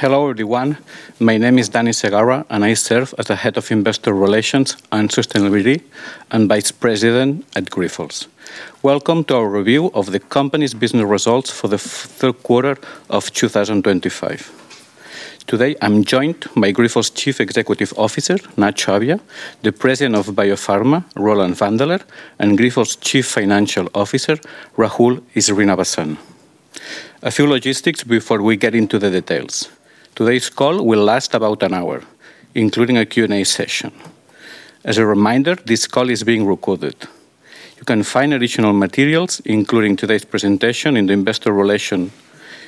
Hello everyone, my name is Dani Segarra, and I serve as the Head of Investor Relations and Sustainability and Vice President at Grifols. Welcome to our review of the company's business results for the third quarter of 2025. Today I'm joined by Grifols Chief Executive Officer, Nacho Abia, the President of Biopharma, Roland Wandeler, and Grifols Chief Financial Officer, Rahul Srinivasan. A few logistics before we get into the details. Today's call will last about an hour, including a Q&A session. As a reminder, this call is being recorded. You can find additional materials, including today's presentation, in the investor relations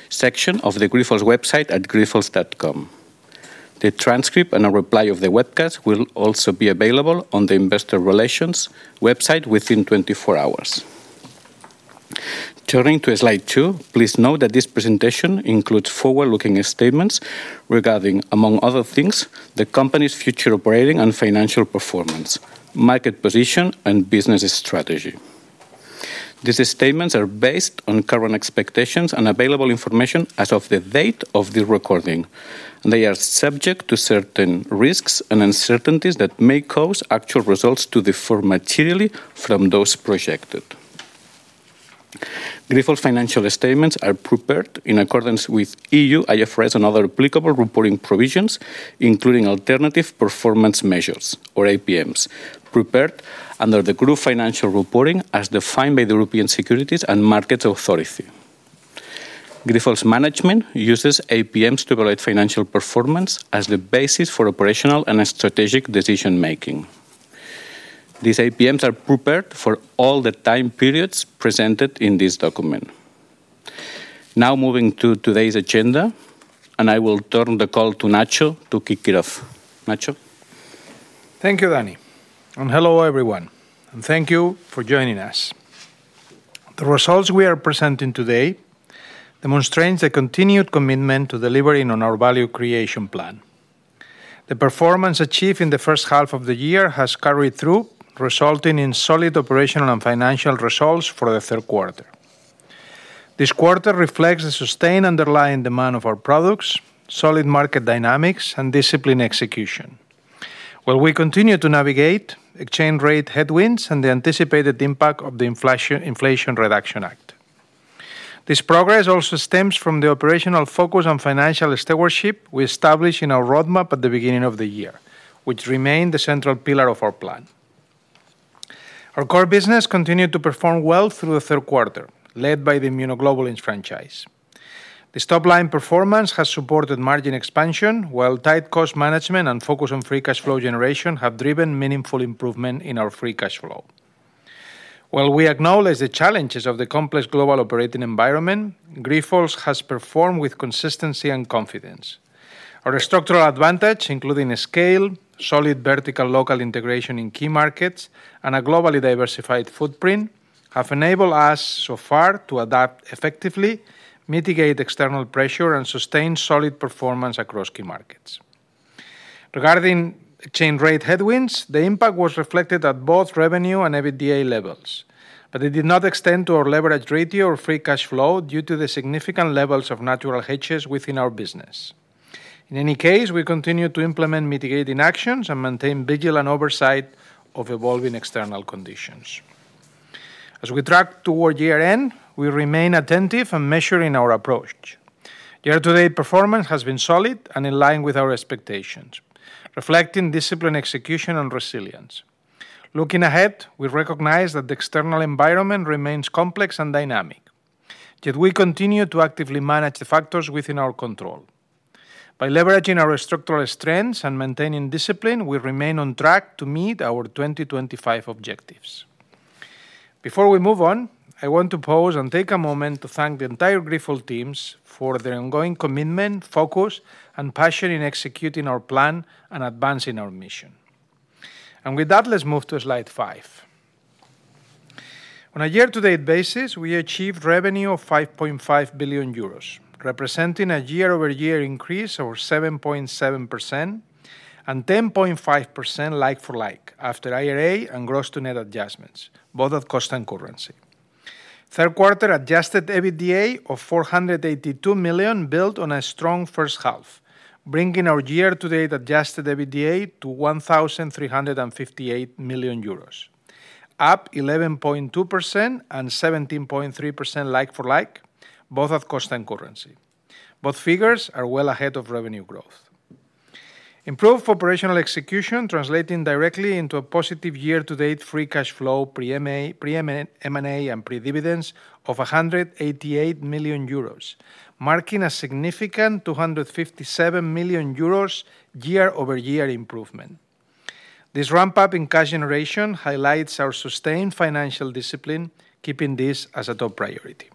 section of the Grifols website at grifols.com. The transcript and a replay of the webcast will also be available on the investor relations website within 24 hours. Turning to slide two, please note that this presentation includes forward-looking statements regarding, among other things, the company's future operating and financial performance, market position, and business strategy. These statements are based on current expectations and available information as of the date of this recording, and they are subject to certain risks and uncertainties that may cause actual results to differ materially from those projected. Grifols' financial statements are prepared in accordance with E.U., IFRS, and other applicable reporting provisions, including Alternative Performance Measures, or APMs, prepared under the group financial reporting as defined by the European Securities and Markets Authority. Grifols' management uses APMs to evaluate financial performance as the basis for operational and strategic decision-making. These APMs are prepared for all the time periods presented in this document. Now moving to today's agenda, and I will turn the call to Nacho to kick it off. Nacho. Thank you, Dani. And hello everyone, and thank you for joining us. The results we are presenting today demonstrate the continued commitment to delivering on our Value Creation Plan. The performance achieved in the first half of the year has carried through, resulting in solid operational and financial results for the third quarter. This quarter reflects the sustained underlying demand of our products, solid market dynamics, and disciplined execution, while we continue to navigate exchange rate headwinds and the anticipated impact of the Inflation Reduction Act. This progress also stems from the operational focus on financial stewardship we established in our roadmap at the beginning of the year, which remains the central pillar of our plan. Our core business continued to perform well through the third quarter, led by the immunoglobulins franchise. The top-line performance has supported margin expansion, while tight cost management and focus on free cash flow generation have driven meaningful improvement in our free cash flow. While we acknowledge the challenges of the complex global operating environment, Grifols has performed with consistency and confidence. Our structural advantage, including scale, solid vertical local integration in key markets, and a globally diversified footprint, have enabled us so far to adapt effectively, mitigate external pressure, and sustain solid performance across key markets. Regarding exchange rate headwinds, the impact was reflected at both revenue and EBITDA levels, but it did not extend to our leverage ratio or free cash flow due to the significant levels of natural hedges within our business. In any case, we continue to implement mitigating actions and maintain vigilant oversight of evolving external conditions. As we track toward year-end, we remain attentive and measuring our approach. Year-to-date performance has been solid and in line with our expectations, reflecting disciplined execution and resilience. Looking ahead, we recognize that the external environment remains complex and dynamic, yet we continue to actively manage the factors within our control. By leveraging our structural strengths and maintaining discipline, we remain on track to meet our 2025 objectives. Before we move on, I want to pause and take a moment to thank the entire Grifols team for their ongoing commitment, focus, and passion in executing our plan and advancing our mission. And with that, let's move to slide five. On a year-to-date basis, we achieved revenue of 5.5 billion euros, representing a year-over-year increase of 7.7%. And 10.5% like-for-like after IRA and gross-to-net adjustments, both at cost and currency. Third quarter adjusted EBITDA of 482 million built on a strong first half, bringing our year-to-date adjusted EBITDA to 1,358 million euros, up 11.2% and 17.3% like-for-like, both at cost and currency. Both figures are well ahead of revenue growth. Improved operational execution translates directly into a positive year-to-date free cash flow, pre-M&A, and pre-dividends of 188 million euros, marking a significant 257 million euros year-over-year improvement. This ramp-up in cash generation highlights our sustained financial discipline, keeping this as a top priority.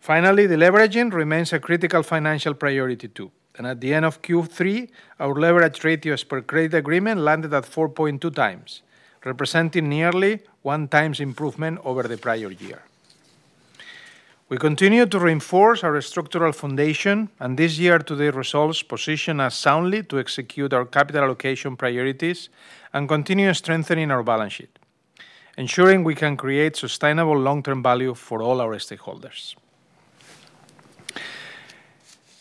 Finally, the leveraging remains a critical financial priority too, and at the end of Q3, our leverage ratio as per credit agreement landed at 4.2x, representing nearly one-time improvement over the prior year. We continue to reinforce our structural foundation and this year-to-date results position us soundly to execute our capital allocation priorities and continue strengthening our balance sheet, ensuring we can create sustainable long-term value for all our stakeholders.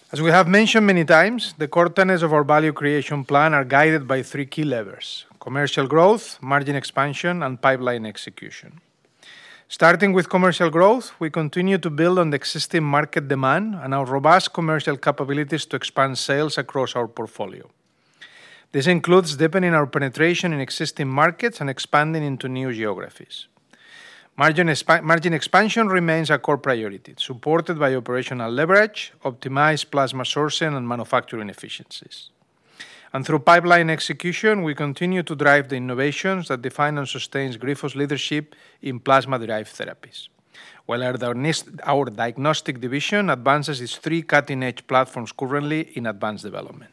As we have mentioned many times, the core tenets of our Value Creation Plan are guided by three key levers: commercial growth, margin expansion, and pipeline execution. Starting with commercial growth, we continue to build on the existing market demand and our robust commercial capabilities to expand sales across our portfolio. This includes deepening our penetration in existing markets and expanding into new geographies. Margin expansion remains a core priority, supported by operational leverage, optimized plasma sourcing, and manufacturing efficiencies. And through pipeline execution, we continue to drive the innovations that define and sustain Grifols' leadership in plasma-derived therapies, while our diagnostic division advances its three cutting-edge platforms currently in advanced development.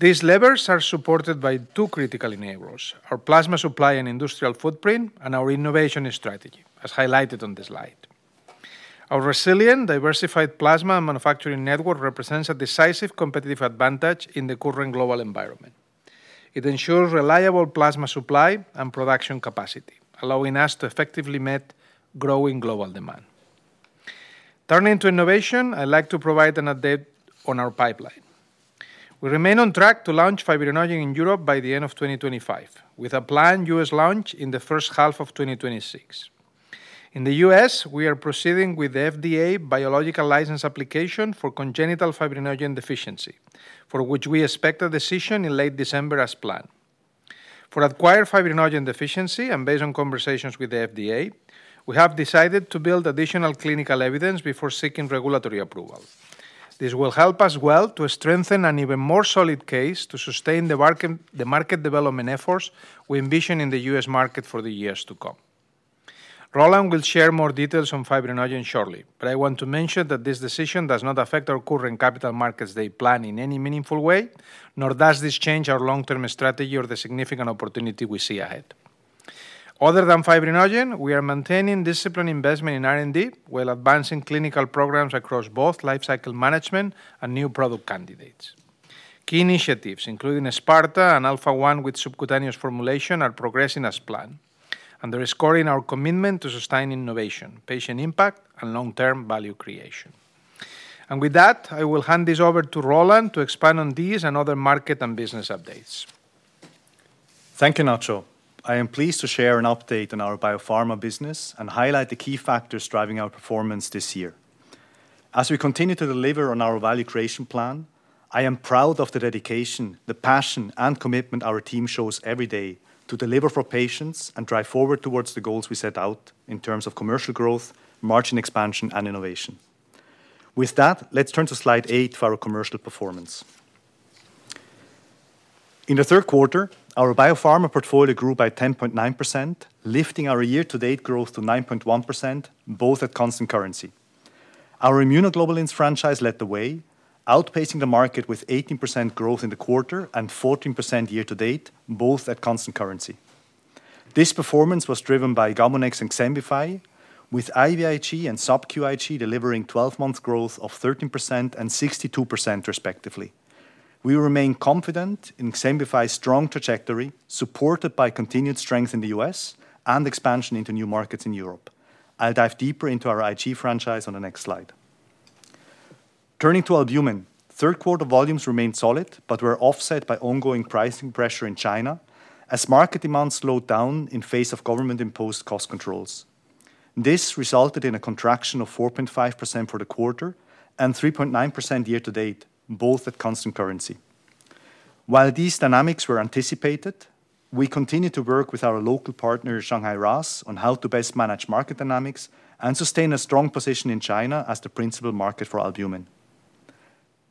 These levers are supported by two critical enablers: our plasma supply and industrial footprint, and our innovation strategy, as highlighted on the slide. Our resilient, diversified plasma and manufacturing network represents a decisive competitive advantage in the current global environment. It ensures reliable plasma supply and production capacity, allowing us to effectively meet growing global demand. Turning to innovation, I'd like to provide an update on our pipeline. We remain on track to launch fibrinogen in Europe by the end of 2025, with a planned U.S. launch in the first half of 2026. In the U.S., we are proceeding with the FDA Biologics License Application for Congenital Fibrinogen Deficiency, for which we expect a decision in late December as planned. For Acquired Fibrinogen Deficiency, and based on conversations with the FDA, we have decided to build additional clinical evidence before seeking regulatory approval. This will help us well to strengthen an even more solid case to sustain the market development efforts we envision in the U.S. market for the years to come. Roland will share more details on fibrinogen shortly, but I want to mention that this decision does not affect our current capital markets day plan in any meaningful way, nor does this change our long-term strategy or the significant opportunity we see ahead. Other than fibrinogen, we are maintaining disciplined investment in R&D while advancing clinical programs across both lifecycle management and new product candidates. Key initiatives, including SPARTA and Alpha-1 with subcutaneous formulation, are progressing as planned, underscoring our commitment to sustaining innovation, patient impact, and long-term value creation. And with that, I will hand this over to Roland to expand on these and other market and business updates. Thank you, Nacho. I am pleased to share an update on our biopharma business and highlight the key factors driving our performance this year. As we continue to deliver on our Value Creation Plan, I am proud of the dedication, the passion, and commitment our team shows every day to deliver for patients and drive forward towards the goals we set out in terms of commercial growth, margin expansion, and innovation. With that, let's turn to slide eight for our commercial performance. In the third quarter, our biopharma portfolio grew by 10.9%, lifting our year-to-date growth to 9.1%, both at constant currency. Our immunoglobulins franchise led the way, outpacing the market with 18% growth in the quarter and 14% year-to-date, both at constant currency. This performance was driven by GAMUNEX and XEMBIFY, with IVIG and SCIG delivering 12-month growth of 13% and 62%, respectively. We remain confident in XEMBIFY's strong trajectory, supported by continued strength in the U.S. and expansion into new markets in Europe. I'll dive deeper into our IG franchise on the next slide. Turning to albumin, third-quarter volumes remained solid, but were offset by ongoing pricing pressure in China as market demand slowed down in face of government-imposed cost controls. This resulted in a contraction of 4.5% for the quarter and 3.9% year-to-date, both at constant currency. While these dynamics were anticipated, we continue to work with our local partner, Shanghai RAAS, on how to best manage market dynamics and sustain a strong position in China as the principal market for albumin.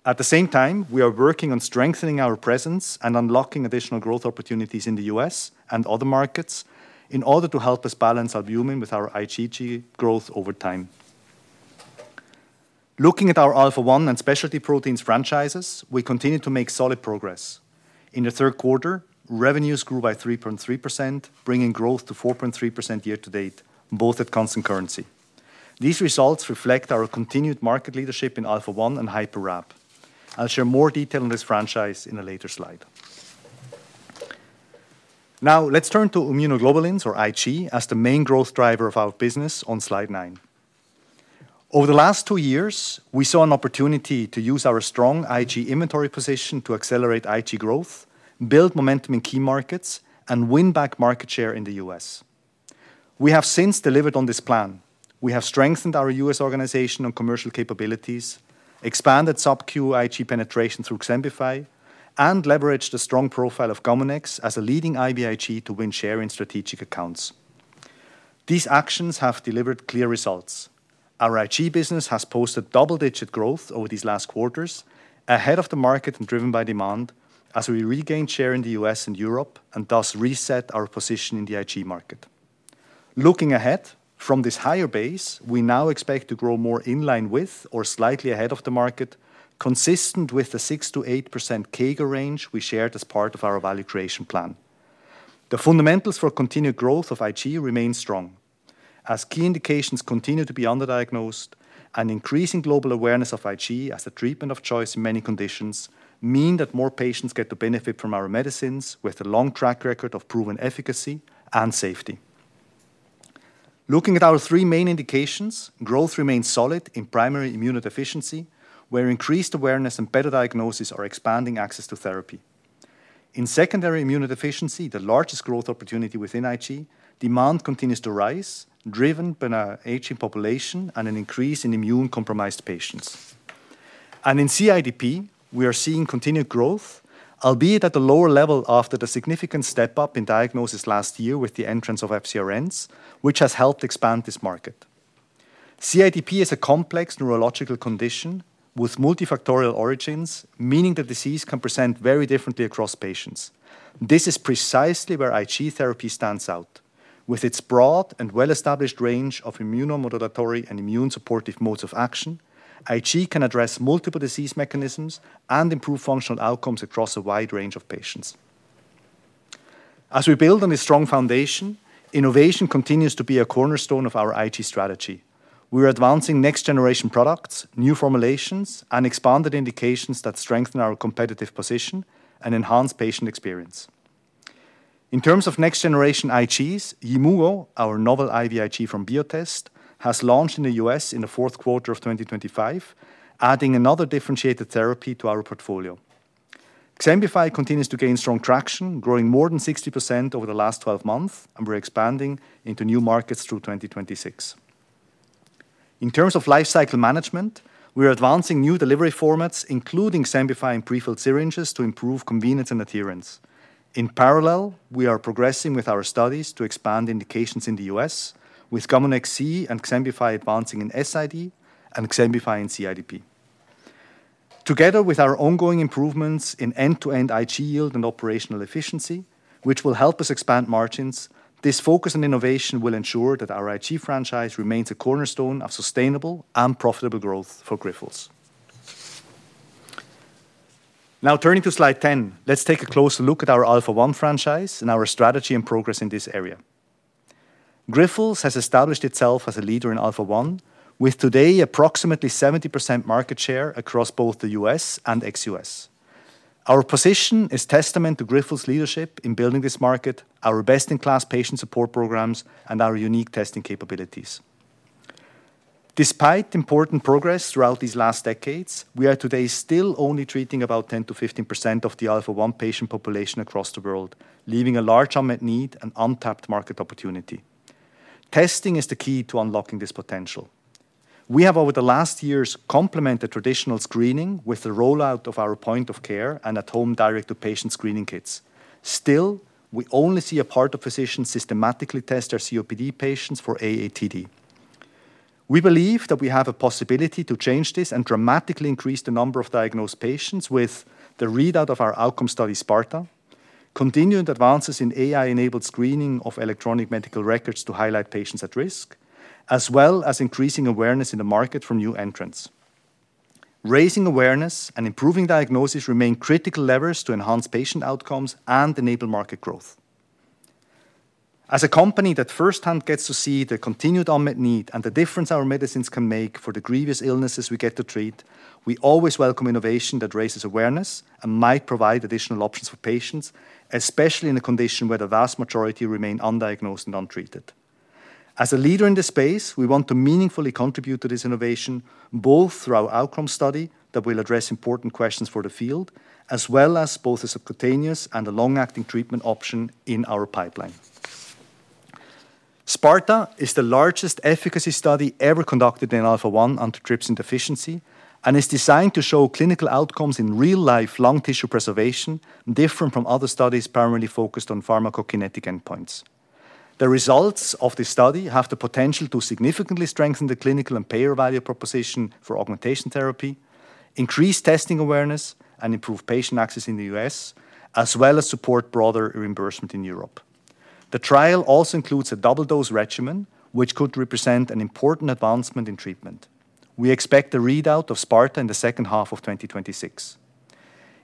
At the same time, we are working on strengthening our presence and unlocking additional growth opportunities in the U.S. and other markets in order to help us balance albumin with our IG growth over time. Looking at our Alpha-1 and specialty proteins franchises, we continue to make solid progress. In the third quarter, revenues grew by 3.3%, bringing growth to 4.3% year-to-date, both at constant currency. These results reflect our continued market leadership in Alpha-1 and HyperRAB. I'll share more detail on this franchise in a later slide. Now, let's turn to immunoglobulins, or IG, as the main growth driver of our business on slide nine. Over the last two years, we saw an opportunity to use our strong IG inventory position to accelerate IG growth, build momentum in key markets, and win back market share in the U.S. We have since delivered on this plan. We have strengthened our U.S. organization and commercial capabilities, expanded SCIG penetration through XEMBIFY, and leveraged the strong profile of GAMUNEX as a leading IVIG to win share in strategic accounts. These actions have delivered clear results. Our IG business has posted double-digit growth over these last quarters, ahead of the market and driven by demand, as we regained share in the U.S. and Europe and thus reset our position in the IG market. Looking ahead, from this higher base, we now expect to grow more in line with or slightly ahead of the market, consistent with the 6%-8% CAGR range we shared as part of our Value Creation Plan. The fundamentals for continued growth of IG remain strong, as key indications continue to be underdiagnosed, and increasing global awareness of IG as a treatment of choice in many conditions mean that more patients get to benefit from our medicines with a long track record of proven efficacy and safety. Looking at our three main indications, growth remains solid in primary immunodeficiency, where increased awareness and better diagnosis are expanding access to therapy. In secondary immunodeficiency, the largest growth opportunity within IG, demand continues to rise, driven by an aging population and an increase in immune-compromised patients, and in CIDP, we are seeing continued growth, albeit at a lower level after the significant step-up in diagnosis last year with the entrance of FcRns, which has helped expand this market. CIDP is a complex neurological condition with multifactorial origins, meaning the disease can present very differently across patients. This is precisely where IG therapy stands out. With its broad and well-established range of immunomodulatory and immune-supportive modes of action, IG can address multiple disease mechanisms and improve functional outcomes across a wide range of patients. As we build on this strong foundation, innovation continues to be a cornerstone of our IG strategy. We are advancing next-generation products, new formulations, and expanded indications that strengthen our competitive position and enhance patient experience. In terms of next-generation IGs, YIMMUGO, our novel IVIG from Biotest, has launched in the U.S. in the fourth quarter of 2025, adding another differentiated therapy to our portfolio. XEMBIFY continues to gain strong traction, growing more than 60% over the last 12 months, and we're expanding into new markets through 2026. In terms of lifecycle management, we are advancing new delivery formats, including XEMBIFY and prefilled syringes, to improve convenience and adherence. In parallel, we are progressing with our studies to expand indications in the U.S., with GAMUNEX-C and XEMBIFY advancing in SID and XEMBIFY in CIDP. Together with our ongoing improvements in end-to-end IG yield and operational efficiency, which will help us expand margins, this focus on innovation will ensure that our IG franchise remains a cornerstone of sustainable and profitable growth for Grifols. Now, turning to slide 10, let's take a closer look at our Alpha-1 franchise and our strategy and progress in this area. Grifols has established itself as a leader in Alpha-1, with today approximately 70% market share across both the U.S. and ex-U.S. Our position is testament to Grifols' leadership in building this market, our best-in-class patient support programs, and our unique testing capabilities. Despite important progress throughout these last decades, we are today still only treating about 10%-15% of the Alpha-1 patient population across the world, leaving a large unmet need and untapped market opportunity. Testing is the key to unlocking this potential. We have, over the last years, complemented traditional screening with the rollout of our point-of-care and at-home direct-to-patient screening kits. Still, we only see a part of physicians systematically test their COPD patients for AATD. We believe that we have a possibility to change this and dramatically increase the number of diagnosed patients with the readout of our outcome study, SPARTA, continuing advances in AI-enabled screening of electronic medical records to highlight patients at risk, as well as increasing awareness in the market for new entrants. Raising awareness and improving diagnosis remain critical levers to enhance patient outcomes and enable market growth. As a company that firsthand gets to see the continued unmet need and the difference our medicines can make for the grievous illnesses we get to treat, we always welcome innovation that raises awareness and might provide additional options for patients, especially in a condition where the vast majority remain undiagnosed and untreated. As a leader in this space, we want to meaningfully contribute to this innovation, both through our outcome study that will address important questions for the field, as well as both a subcutaneous and a long-acting treatment option in our pipeline. SPARTA is the largest efficacy study ever conducted in Alpha-1 antitrypsin deficiency and is designed to show clinical outcomes in real-life lung tissue preservation different from other studies primarily focused on pharmacokinetic endpoints. The results of this study have the potential to significantly strengthen the clinical and payer value proposition for augmentation therapy, increase testing awareness, and improve patient access in the U.S., as well as support broader reimbursement in Europe. The trial also includes a double-dose regimen, which could represent an important advancement in treatment. We expect the readout of SPARTA in the second half of 2026.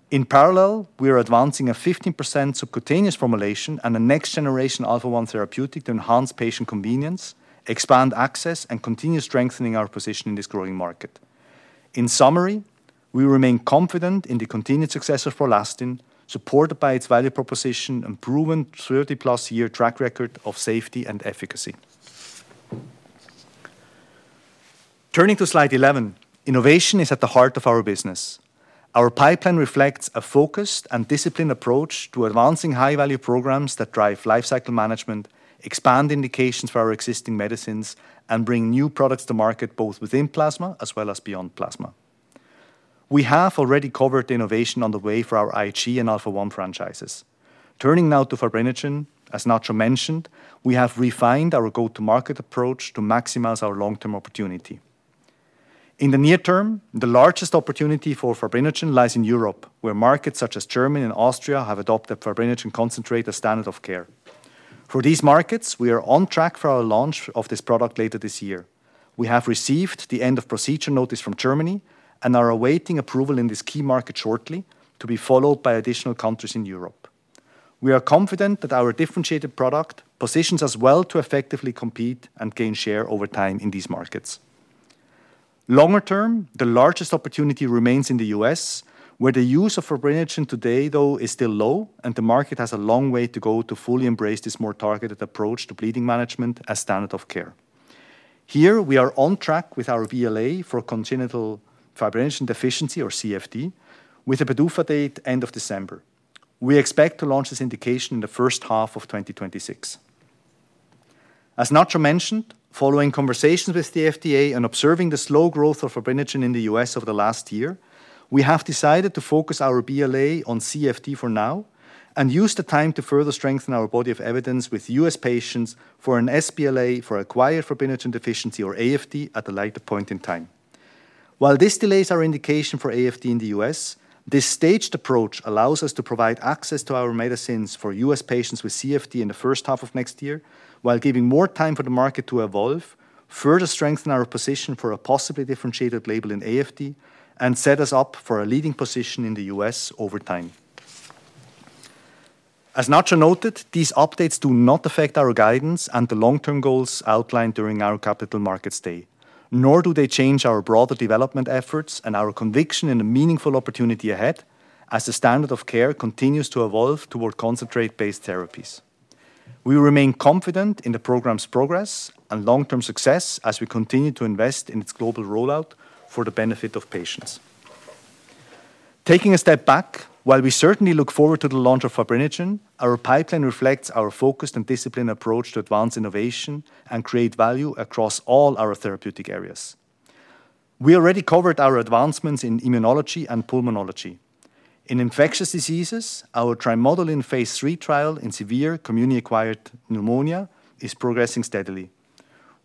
In parallel, we are advancing a 15% subcutaneous formulation and a next-generation Alpha-1 therapeutic to enhance patient convenience, expand access, and continue strengthening our position in this growing market. In summary, we remain confident in the continued success of PROLASTIN, supported by its value proposition and proven 30+ year track record of safety and efficacy. Turning to slide 11, innovation is at the heart of our business. Our pipeline reflects a focused and disciplined approach to advancing high-value programs that drive lifecycle management, expand indications for our existing medicines, and bring new products to market both within plasma as well as beyond plasma. We have already covered innovation on the way for our IG and Alpha-1 franchises. Turning now to fibrinogen, as Nacho mentioned, we have refined our go-to-market approach to maximize our long-term opportunity. In the near term, the largest opportunity for fibrinogen lies in Europe, where markets such as Germany and Austria have adopted fibrinogen concentrate as standard of care. For these markets, we are on track for our launch of this product later this year. We have received the end-of-procedure notice from Germany and are awaiting approval in this key market shortly to be followed by additional countries in Europe. We are confident that our differentiated product positions us well to effectively compete and gain share over time in these markets. Longer term, the largest opportunity remains in the U.S., where the use of fibrinogen today, though, is still low, and the market has a long way to go to fully embrace this more targeted approach to bleeding management as standard of care. Here, we are on track with our BLA for Congenital Fibrinogen Deficiency, or CFD, with a PDUFA date end of December. We expect to launch this indication in the first half of 2026. As Nacho mentioned, following conversations with the FDA and observing the slow growth of fibrinogen in the U.S. over the last year, we have decided to focus our BLA on CFD for now and use the time to further strengthen our body of evidence with U.S. patients for an SBLA for Acquired Fibrinogen Deficiency, or AFD, at a later point in time. While this delays our indication for AFD in the U.S., this staged approach allows us to provide access to our medicines for U.S. Patients with CFD in the first half of next year while giving more time for the market to evolve, further strengthen our position for a possibly differentiated label in AFD, and set us up for a leading position in the U.S. over time. As Nacho noted, these updates do not affect our guidance and the long-term goals outlined during our capital markets day, nor do they change our broader development efforts and our conviction in a meaningful opportunity ahead as the standard of care continues to evolve toward concentrate-based therapies. We remain confident in the program's progress and long-term success as we continue to invest in its global rollout for the benefit of patients. Taking a step back, while we certainly look forward to the launch of fibrinogen, our pipeline reflects our focused and disciplined approach to advance innovation and create value across all our therapeutic areas. We already covered our advancements in immunology and pulmonology. In infectious diseases, our Trimodulin phase III trial in severe community-acquired pneumonia is progressing steadily.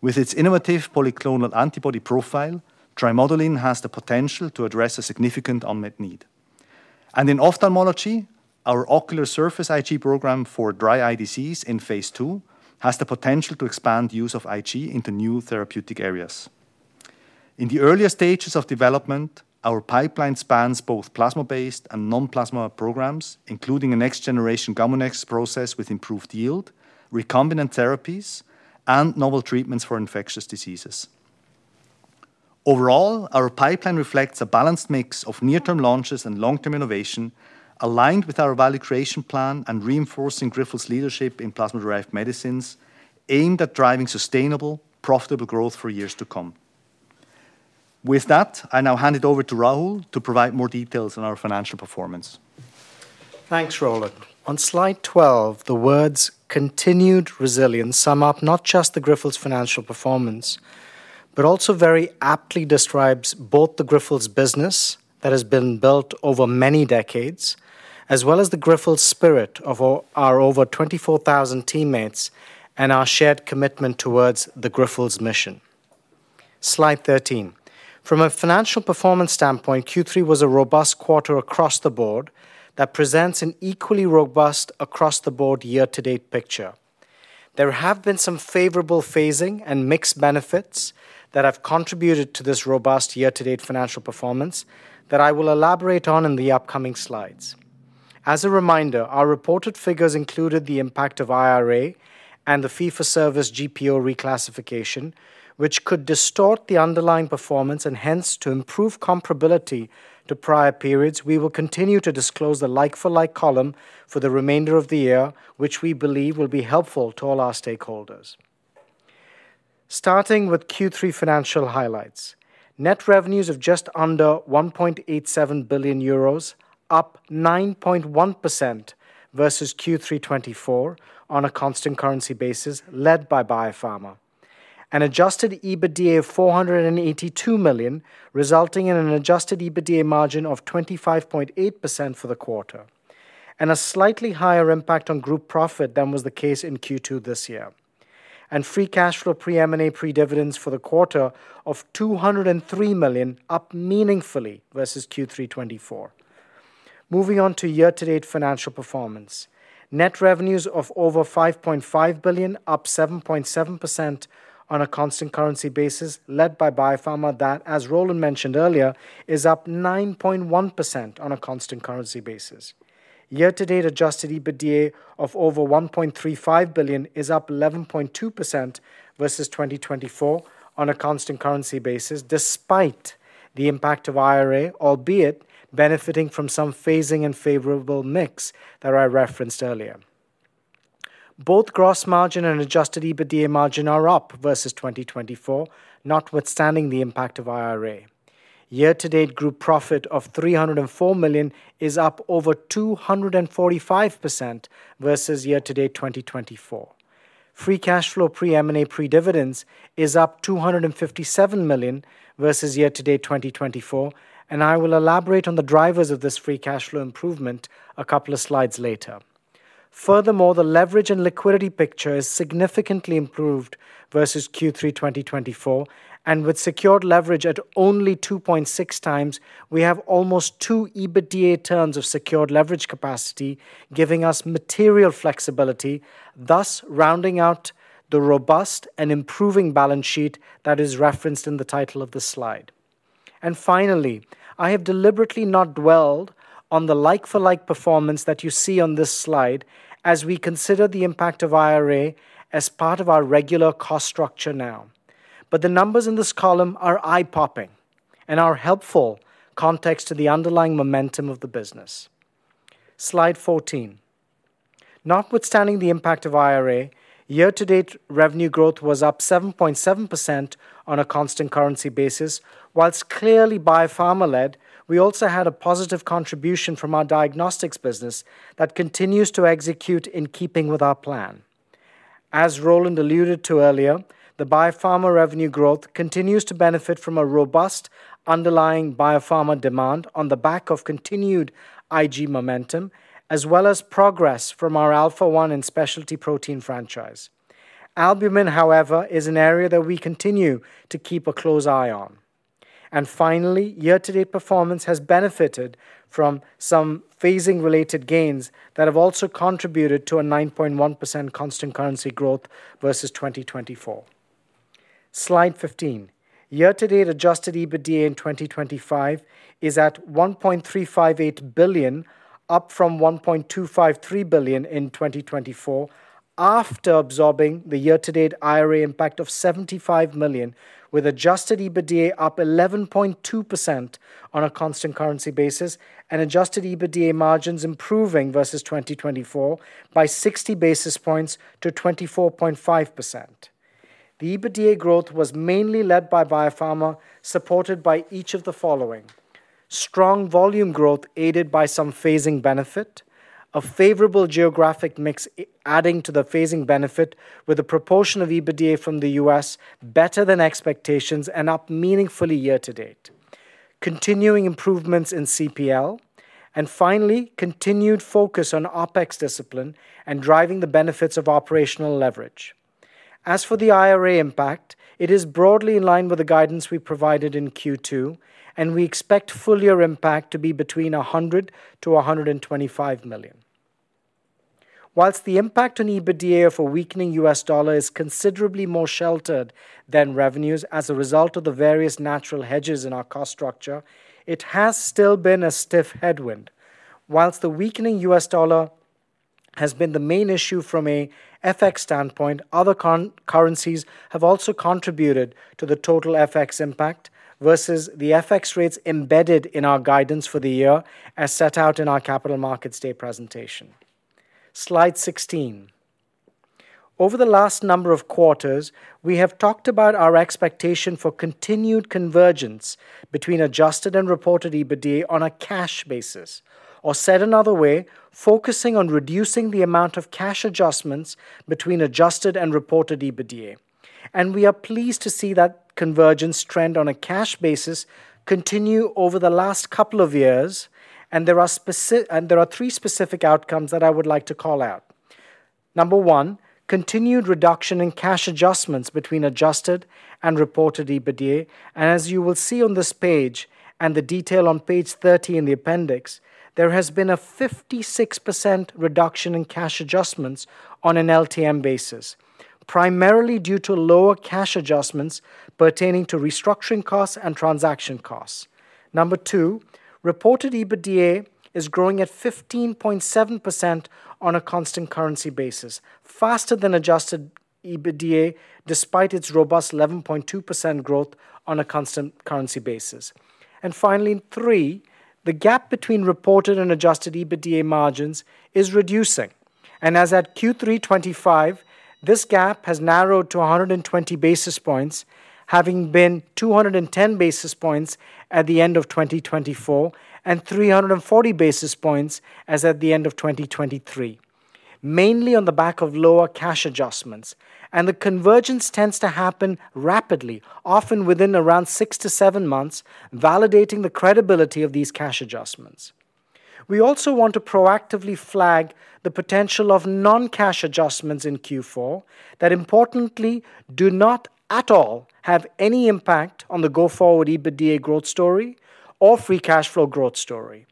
With its innovative polyclonal antibody profile, Trimodulin has the potential to address a significant unmet need. And in ophthalmology, our ocular surface IG program for dry eye disease in phase II has the potential to expand use of IG into new therapeutic areas. In the earlier stages of development, our pipeline spans both plasma-based and non-plasma programs, including a next-generation GAMUNEX process with improved yield, recombinant therapies, and novel treatments for infectious diseases. Overall, our pipeline reflects a balanced mix of near-term launches and long-term innovation, aligned with our value creation plan and reinforcing Grifols' leadership in plasma-derived medicines aimed at driving sustainable, profitable growth for years to come. With that, I now hand it over to Rahul to provide more details on our financial performance. Thanks, Roland. On slide 12, the words "continued resilience" sum up not just the Grifols' financial performance, but also very aptly describe both the Grifols business that has been built over many decades, as well as the Grifols spirit of our over 24,000 teammates and our shared commitment towards the Grifols mission. Slide 13. From a financial performance standpoint, Q3 was a robust quarter across the board that presents an equally robust across-the-board year-to-date picture. There have been some favorable phasing and mixed benefits that have contributed to this robust year-to-date financial performance that I will elaborate on in the upcoming slides. As a reminder, our reported figures included the impact of IRA and the fee-for-service GPO reclassification, which could distort the underlying performance. And hence, to improve comparability to prior periods, we will continue to disclose the like-for-like column for the remainder of the year, which we believe will be helpful to all our stakeholders. Starting with Q3 financial highlights, net revenues of just under 1.87 billion euros, up 9.1% versus Q3 2024 on a constant currency basis led by biopharma, an adjusted EBITDA of 482 million, resulting in an adjusted EBITDA margin of 25.8% for the quarter, and a slightly higher impact on group profit than was the case in Q2 this year, and free cash flow pre-M&A pre-dividends for the quarter of 203 million, up meaningfully versus Q3 2024. Moving on to year-to-date financial performance, net revenues of over 5.5 billion, up 7.7% on a constant currency basis led by biopharma that, as Roland mentioned earlier, is up 9.1% on a constant currency basis. Year-to-date adjusted EBITDA of over 1.35 billion is up 11.2% versus 2024 on a constant currency basis, despite the impact of IRA, albeit benefiting from some phasing and favorable mix that I referenced earlier. Both gross margin and adjusted EBITDA margin are up versus 2024, notwithstanding the impact of IRA. Year-to-date group profit of 304 million is up over 245% versus year-to-date 2024. Free cash flow pre-M&A pre-dividends is up 257 million versus year-to-date 2024, and I will elaborate on the drivers of this free cash flow improvement a couple of slides later. Furthermore, the leverage and liquidity picture is significantly improved versus Q3 2024, and with secured leverage at only 2.6x, we have almost two EBITDA turns of secured leverage capacity, giving us material flexibility, thus rounding out the robust and improving balance sheet that is referenced in the title of this slide. And finally, I have deliberately not dwelled on the like-for-like performance that you see on this slide as we consider the impact of IRA as part of our regular cost structure now. But the numbers in this column are eye-popping and are helpful context to the underlying momentum of the business. Slide 14. Notwithstanding the impact of IRA, year-to-date revenue growth was up 7.7% on a constant currency basis. While clearly biopharma-led, we also had a positive contribution from our diagnostics business that continues to execute in keeping with our plan. As Roland alluded to earlier, the biopharma revenue growth continues to benefit from a robust underlying biopharma demand on the back of continued IG momentum, as well as progress from our Alpha-1 and specialty protein franchise. Albumin, however, is an area that we continue to keep a close eye on. And finally, year-to-date performance has benefited from some phasing-related gains that have also contributed to a 9.1% constant currency growth versus 2024. Slide 15. Year-to-date adjusted EBITDA in 2025 is at 1.358 billion, up from 1.253 billion in 2024 after absorbing the year-to-date IRA impact of 75 million, with adjusted EBITDA up 11.2% on a constant currency basis and adjusted EBITDA margins improving versus 2024 by 60 basis points to 24.5%. The EBITDA growth was mainly led by biopharma, supported by each of the following. Strong volume growth aided by some phasing benefit, a favorable geographic mix adding to the phasing benefit, with a proportion of EBITDA from the U.S. better than expectations and up meaningfully year-to-date, continuing improvements in CPL, and finally, continued focus on OpEx discipline and driving the benefits of operational leverage. As for the IRA impact, it is broadly in line with the guidance we provided in Q2, and we expect full-year impact to be between 100 million-125 million. While the impact on EBITDA of a weakening U.S. dollar is considerably more sheltered than revenues as a result of the various natural hedges in our cost structure, it has still been a stiff headwind. While the weakening U.S. dollar has been the main issue from an FX standpoint, other currencies have also contributed to the total FX impact versus the FX rates embedded in our guidance for the year as set out in our capital markets day presentation. Slide 16. Over the last number of quarters, we have talked about our expectation for continued convergence between adjusted and reported EBITDA on a cash basis, or said another way, focusing on reducing the amount of cash adjustments between adjusted and reported EBITDA. And we are pleased to see that convergence trend on a cash basis continue over the last couple of years. And there are three specific outcomes that I would like to call out. Number one, continued reduction in cash adjustments between adjusted and reported EBITDA. And as you will see on this page and the detail on page 30 in the appendix, there has been a 56% reduction in cash adjustments on an LTM basis, primarily due to lower cash adjustments pertaining to restructuring costs and transaction costs. Number two, reported EBITDA is growing at 15.7% on a constant currency basis, faster than adjusted EBITDA despite its robust 11.2% growth on a constant currency basis. And finally, three, the gap between reported and adjusted EBITDA margins is reducing. As at Q3 2025, this gap has narrowed to 120 basis points, having been 210 basis points at the end of 2024 and 340 basis points as at the end of 2023. Mainly on the back of lower cash adjustments. And the convergence tends to happen rapidly, often within around six to seven months, validating the credibility of these cash adjustments. We also want to proactively flag the potential of non-cash adjustments in Q4 that importantly do not at all have any impact on the go-forward EBITDA growth story or free cash flow growth story.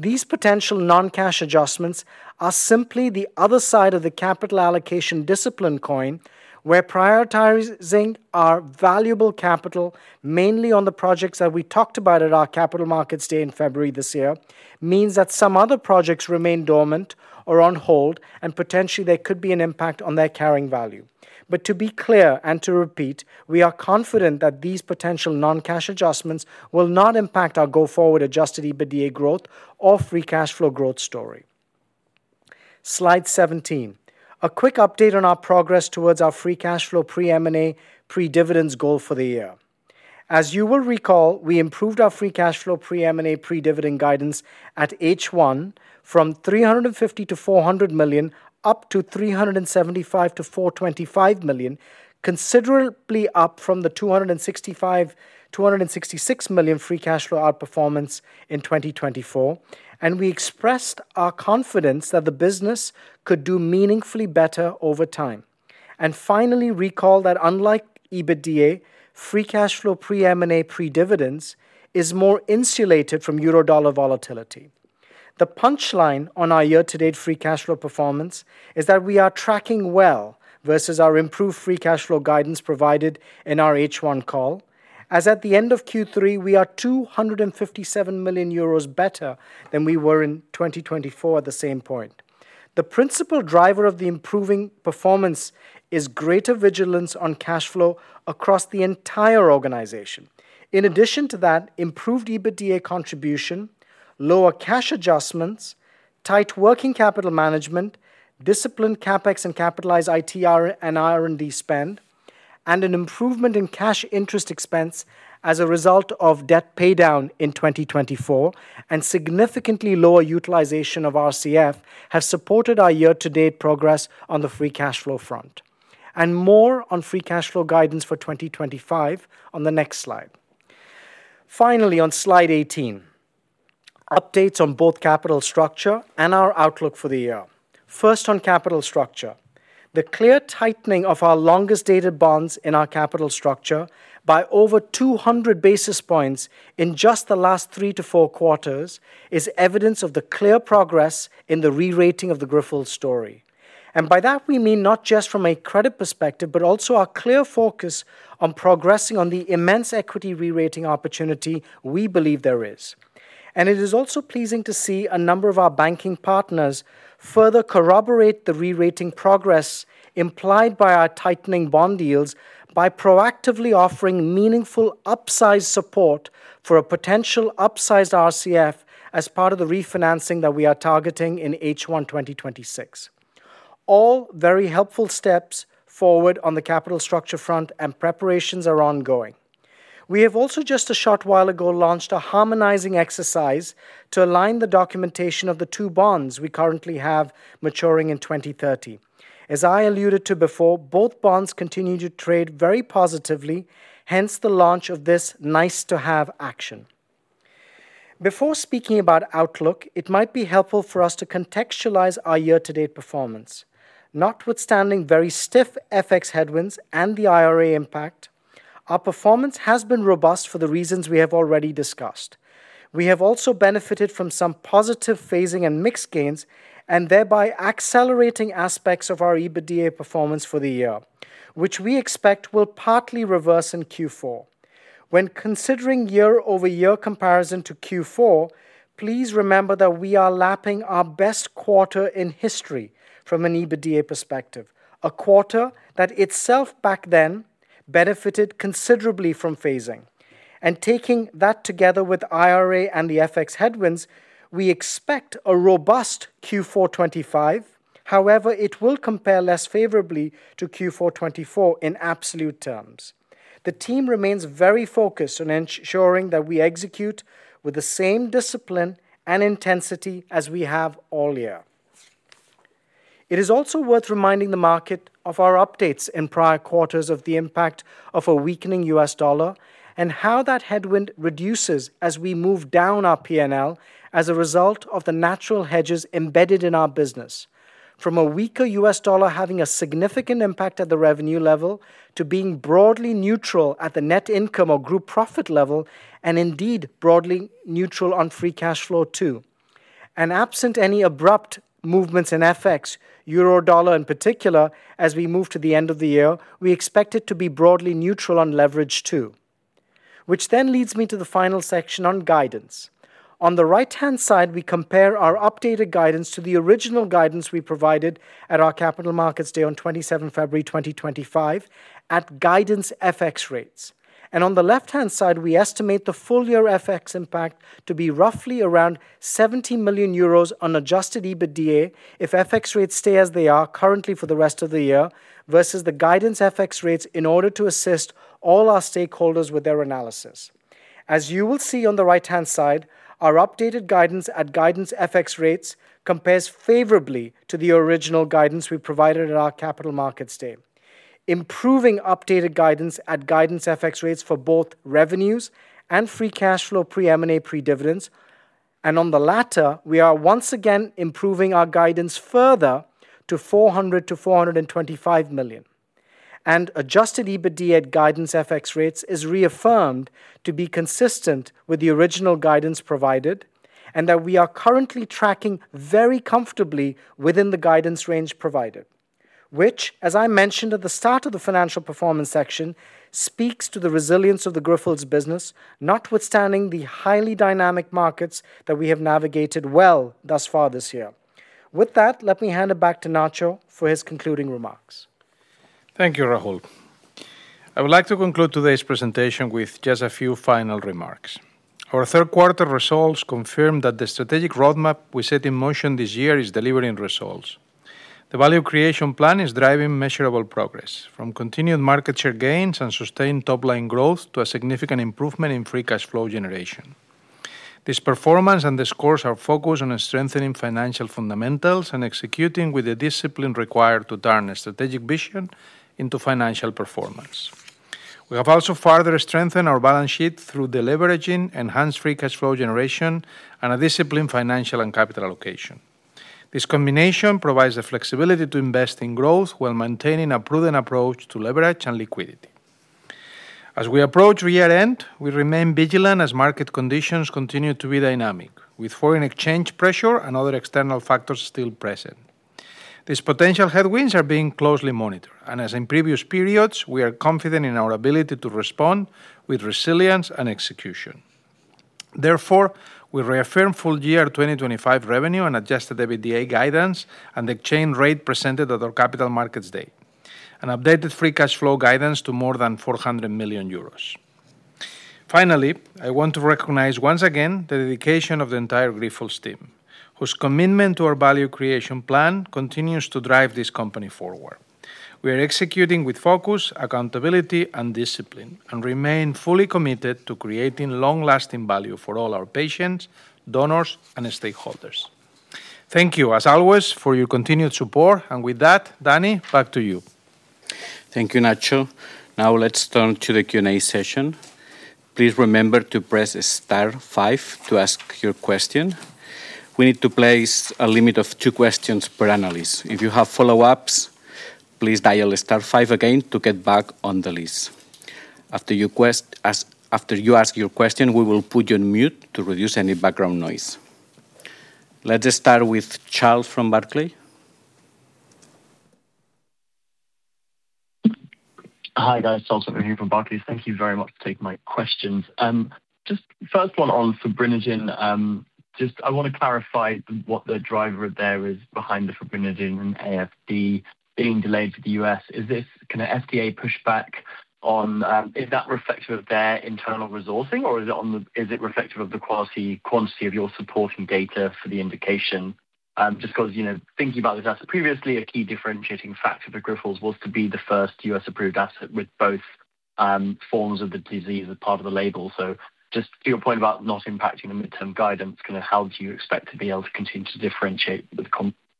These potential non-cash adjustments are simply the other side of the capital allocation discipline coin, where prioritizing our valuable capital mainly on the projects that we talked about at our capital markets day in February this year means that some other projects remain dormant or on hold, and potentially there could be an impact on their carrying value. But to be clear and to repeat, we are confident that these potential non-cash adjustments will not impact our go-forward adjusted EBITDA growth or free cash flow growth story. Slide 17. A quick update on our progress towards our free cash flow pre-M&A pre-dividends goal for the year. As you will recall, we improved our free cash flow pre-M&A pre-dividend guidance at H1 from 350 million-400 million up to 375 million-425 million, considerably up from the 265 million-266 million free cash flow outperformance in 2024. And we expressed our confidence that the business could do meaningfully better over time. And finally, recall that unlike EBITDA, free cash flow pre-M&A pre-dividends is more insulated from euro dollar volatility. The punchline on our year-to-date free cash flow performance is that we are tracking well versus our improved free cash flow guidance provided in our H1 call, as at the end of Q3, we are 257 million euros better than we were in 2024 at the same point. The principal driver of the improving performance is greater vigilance on cash flow across the entire organization. In addition to that, improved EBITDA contribution, lower cash adjustments, tight working capital management, disciplined CapEx and capitalized IT and R&D spend, and an improvement in cash interest expense as a result of debt paydown in 2024, and significantly lower utilization of RCF have supported our year-to-date progress on the free cash flow front. And more on free cash flow guidance for 2025 on the next slide. Finally, on slide 18. Updates on both capital structure and our outlook for the year. First, on capital structure, the clear tightening of our longest-dated bonds in our capital structure by over 200 basis points in just the last three to four quarters is evidence of the clear progress in the re-rating of the Grifols story. And by that, we mean not just from a credit perspective, but also our clear focus on progressing on the immense equity re-rating opportunity we believe there is. It is also pleasing to see a number of our banking partners further corroborate the re-rating progress implied by our tightening bond yields by proactively offering meaningful upsize support for a potential upsized RCF as part of the refinancing that we are targeting in H1 2026. All very helpful steps forward on the capital structure front and preparations are ongoing. We have also just a short while ago launched a harmonizing exercise to align the documentation of the two bonds we currently have maturing in 2030. As I alluded to before, both bonds continue to trade very positively, hence the launch of this nice-to-have action. Before speaking about outlook, it might be helpful for us to contextualize our year-to-date performance. Notwithstanding very stiff FX headwinds and the IRA impact, our performance has been robust for the reasons we have already discussed. We have also benefited from some positive phasing and mixed gains and thereby accelerating aspects of our EBITDA performance for the year, which we expect will partly reverse in Q4. When considering year-over-year comparison to Q4, please remember that we are lapping our best quarter in history from an EBITDA perspective, a quarter that itself back then benefited considerably from phasing. Taking that together with IRA and the FX headwinds, we expect a robust Q4 2025. However, it will compare less favorably to Q4 2024 in absolute terms. The team remains very focused on ensuring that we execute with the same discipline and intensity as we have all year. It is also worth reminding the market of our updates in prior quarters of the impact of a weakening U.S. dollar and how that headwind reduces as we move down our P&L as a result of the natural hedges embedded in our business, from a weaker U.S. dollar having a significant impact at the revenue level to being broadly neutral at the net income or group profit level, and indeed broadly neutral on free cash flow too. Absent any abrupt movements in FX, euro dollar in particular, as we move to the end of the year, we expect it to be broadly neutral on leverage too. Which then leads me to the final section on guidance. On the right-hand side, we compare our updated guidance to the original guidance we provided at our capital markets day on 27 February 2025 at guidance FX rates. On the left-hand side, we estimate the full-year FX impact to be roughly around 70 million euros on adjusted EBITDA if FX rates stay as they are currently for the rest of the year versus the guidance FX rates in order to assist all our stakeholders with their analysis. As you will see on the right-hand side, our updated guidance at guidance FX rates compares favorably to the original guidance we provided at our capital markets day. Improving updated guidance at guidance FX rates for both revenues and free cash flow pre-M&A pre-dividends. And on the latter, we are once again improving our guidance further to 400 million-425 million. Adjusted EBITDA at guidance FX rates is reaffirmed to be consistent with the original guidance provided and that we are currently tracking very comfortably within the guidance range provided, which, as I mentioned at the start of the financial performance section, speaks to the resilience of the Grifols business, notwithstanding the highly dynamic markets that we have navigated well thus far this year. With that, let me hand it back to Nacho for his concluding remarks. Thank you, Rahul. I would like to conclude today's presentation with just a few final remarks. Our third quarter results confirm that the strategic roadmap we set in motion this year is delivering results. The Value Creation Plan is driving measurable progress from continued market share gains and sustained top-line growth to a significant improvement in free cash flow generation. This performance underscores our focus on strengthening financial fundamentals and executing with the discipline required to turn a strategic vision into financial performance. We have also further strengthened our balance sheet through deleveraging, enhanced free cash flow generation, and a disciplined financial and capital allocation. This combination provides the flexibility to invest in growth while maintaining a prudent approach to leverage and liquidity. As we approach year-end, we remain vigilant as market conditions continue to be dynamic, with foreign exchange pressure and other external factors still present. These potential headwinds are being closely monitored. And as in previous periods, we are confident in our ability to respond with resilience and execution. Therefore, we reaffirm full-year 2025 revenue and adjusted EBITDA guidance and the exchange rate presented at our capital markets day and updated free cash flow guidance to more than 400 million euros. Finally, I want to recognize once again the dedication of the entire Grifols team, whose commitment to our Value Creation Plan continues to drive this company forward. We are executing with focus, accountability, and discipline, and remain fully committed to creating long-lasting value for all our patients, donors, and stakeholders. Thank you, as always, for your continued support. And with that, Dani, back to you. Thank you, Nacho. Now let's turn to the Q&A session. Please remember to press star five to ask your question. We need to place a limit of two questions per analyst. If you have follow-ups, please dial star five again to get back on the list. After you ask your question, we will put you on mute to reduce any background noise. Let's start with Charles from Barclays. Hi, guys. Charles Pitman from Barclays. Thank you very much for taking my questions. Just first one on fibrinogen. Just I want to clarify what the driver there is behind the fibrinogen and AFD being delayed for the U.S. Is this kind of FDA pushback on is that reflective of their internal resourcing, or is it reflective of the quality or quantity of your supporting data for the indication? Just because thinking about this asset previously, a key differentiating factor for Grifols was to be the first U.S.-approved asset with both forms of the disease as part of the label. So just to your point about not impacting the midterm guidance, kind of how do you expect to be able to continue to differentiate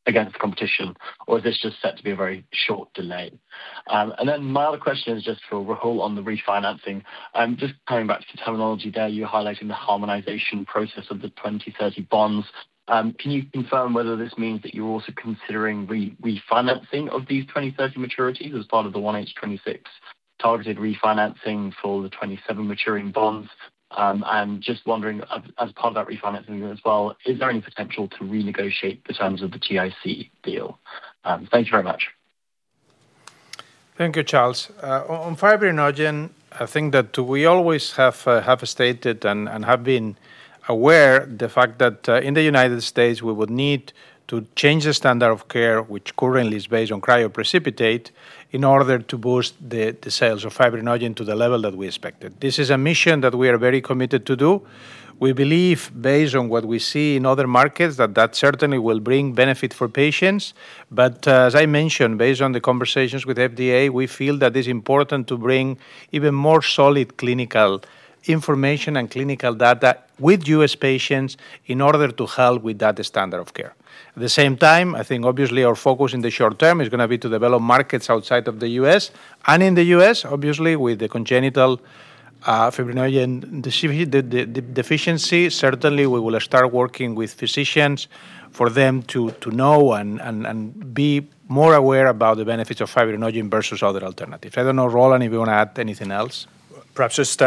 against the competition, or is this just set to be a very short delay? And then my other question is just for Rahul on the refinancing. Just coming back to the terminology there, you're highlighting the harmonization process of the 2030 bonds. Can you confirm whether this means that you're also considering refinancing of these 2030 maturities as part of the 1H 2026 targeted refinancing for the 2027 maturing bonds? And just wondering, as part of that refinancing as well, is there any potential to renegotiate the terms of the GIC deal? Thank you very much. Thank you, Charles. On fibrinogen, I think that we always have stated and have been aware of the fact that in the United States, we would need to change the standard of care, which currently is based on cryoprecipitate, in order to boost the sales of fibrinogen to the level that we expected. This is a mission that we are very committed to do. We believe, based on what we see in other markets, that that certainly will bring benefit for patients. But as I mentioned, based on the conversations with FDA, we feel that it's important to bring even more solid clinical information and clinical data with U.S. patients in order to help with that standard of care. At the same time, I think obviously our focus in the short term is going to be to develop markets outside of the U.S. and in the U.S., obviously with the Congenital Fibrinogen Deficiency. Certainly, we will start working with physicians for them to know and be more aware about the benefits of fibrinogen versus other alternatives. I don't know, Roland, if you want to add anything else. Perhaps just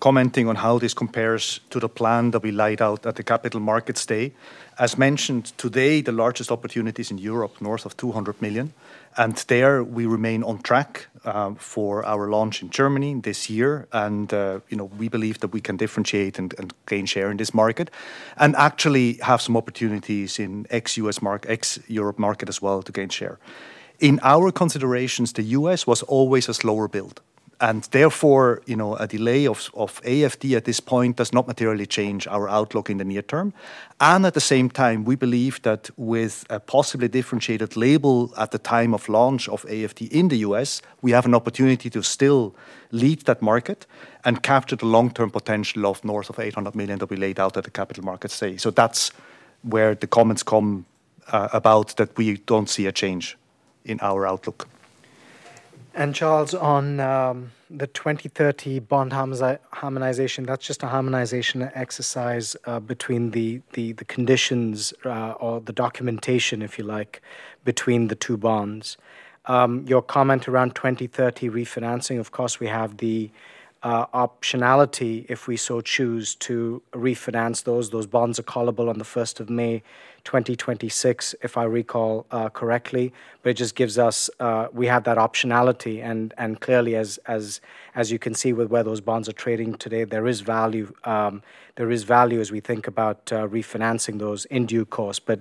commenting on how this compares to the plan that we laid out at the capital markets day. As mentioned today, the largest opportunities in Europe north of 200 million. And there, we remain on track for our launch in Germany this year. And we believe that we can differentiate and gain share in this market and actually have some opportunities in ex-U.S. market, ex-Europe market as well to gain share. In our considerations, the U.S. was always a slower build. And therefore, a delay of AFD at this point does not materially change our outlook in the near term. And at the same time, we believe that with a possibly differentiated label at the time of launch of AFD in the U.S., we have an opportunity to still lead that market and capture the long-term potential north of $800 million that we laid out at the capital markets day. So that's where the comments come about that we don't see a change in our outlook. And Charles, on the 2030 bond harmonization, that's just a harmonization exercise between the conditions or the documentation, if you like, between the two bonds. Your comment around 2030 refinancing, of course, we have the optionality, if we so choose, to refinance those. Those bonds are callable on the 1st of May 2026, if I recall correctly. But it just gives us we have that optionality. And clearly, as you can see with where those bonds are trading today, there is value. There is value as we think about refinancing those in due course. But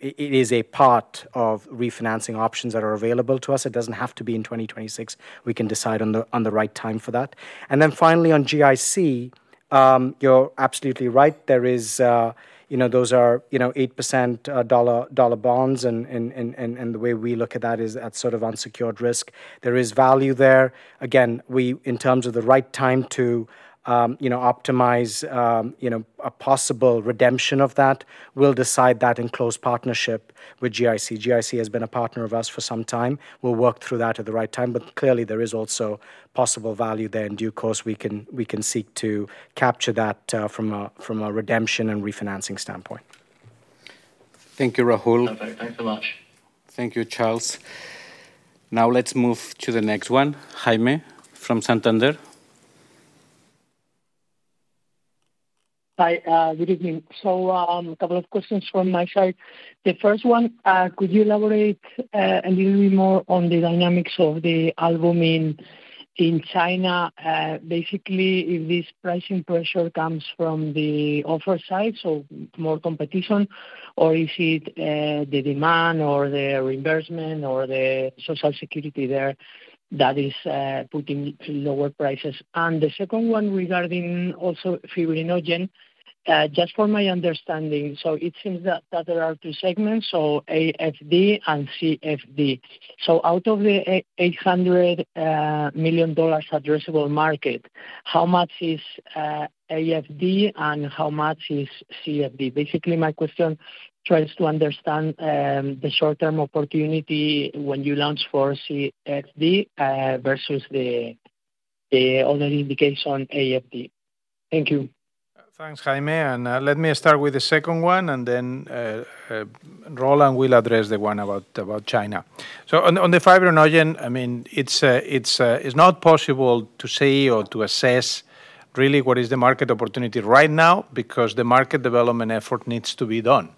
it is a part of refinancing options that are available to us. It doesn't have to be in 2026. We can decide on the right time for that. And then finally, on GIC. You're absolutely right. Those are 8% dollar bonds. And the way we look at that is at sort of unsecured risk. There is value there. Again, in terms of the right time to optimize a possible redemption of that, we'll decide that in close partnership with GIC. GIC has been a partner of us for some time. We'll work through that at the right time. But clearly, there is also possible value there in due course. We can seek to capture that from a redemption and refinancing standpoint. Thank you, Rahul. Perfect. Thanks so much. Thank you, Charles. Now let's move to the next one, Jaime from Santander. Hi, good evening. So a couple of questions from my side. The first one, could you elaborate a little bit more on the dynamics of the albumin in China? Basically, if this pricing pressure comes from the offer side, so more competition, or is it the demand or the reimbursement or the social security there that is putting lower prices? And the second one regarding also fibrinogen, just for my understanding, so it seems that there are two segments, so AFD and CFD. So out of the $800 million addressable market, how much is AFD and how much is CFD? Basically, my question tries to understand the short-term opportunity when you launch for CFD versus the other indication AFD. Thank you. Thanks, Jaime. And let me start with the second one, and then Roland will address the one about China. So on the fibrinogen, I mean, it's not possible to say or to assess really what is the market opportunity right now because the market development effort needs to be done.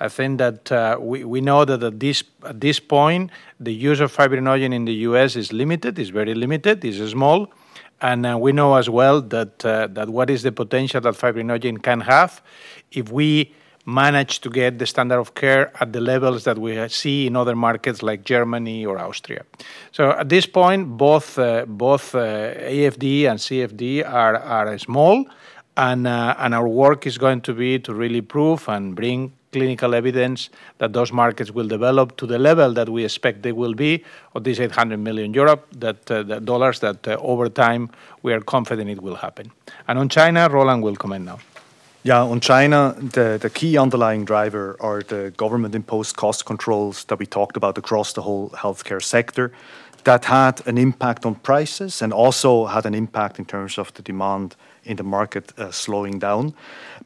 I think that we know that at this point, the use of fibrinogen in the U.S. is limited, is very limited, is small. And we know as well that what is the potential that fibrinogen can have if we manage to get the standard of care at the levels that we see in other markets like Germany or Austria. So at this point, both AFD and CFD are small. And our work is going to be to really prove and bring clinical evidence that those markets will develop to the level that we expect they will be of these $800 million that over time we are confident it will happen. And on China, Roland will comment now. Yeah, on China, the key underlying driver are the government-imposed cost controls that we talked about across the whole healthcare sector that had an impact on prices and also had an impact in terms of the demand in the market slowing down.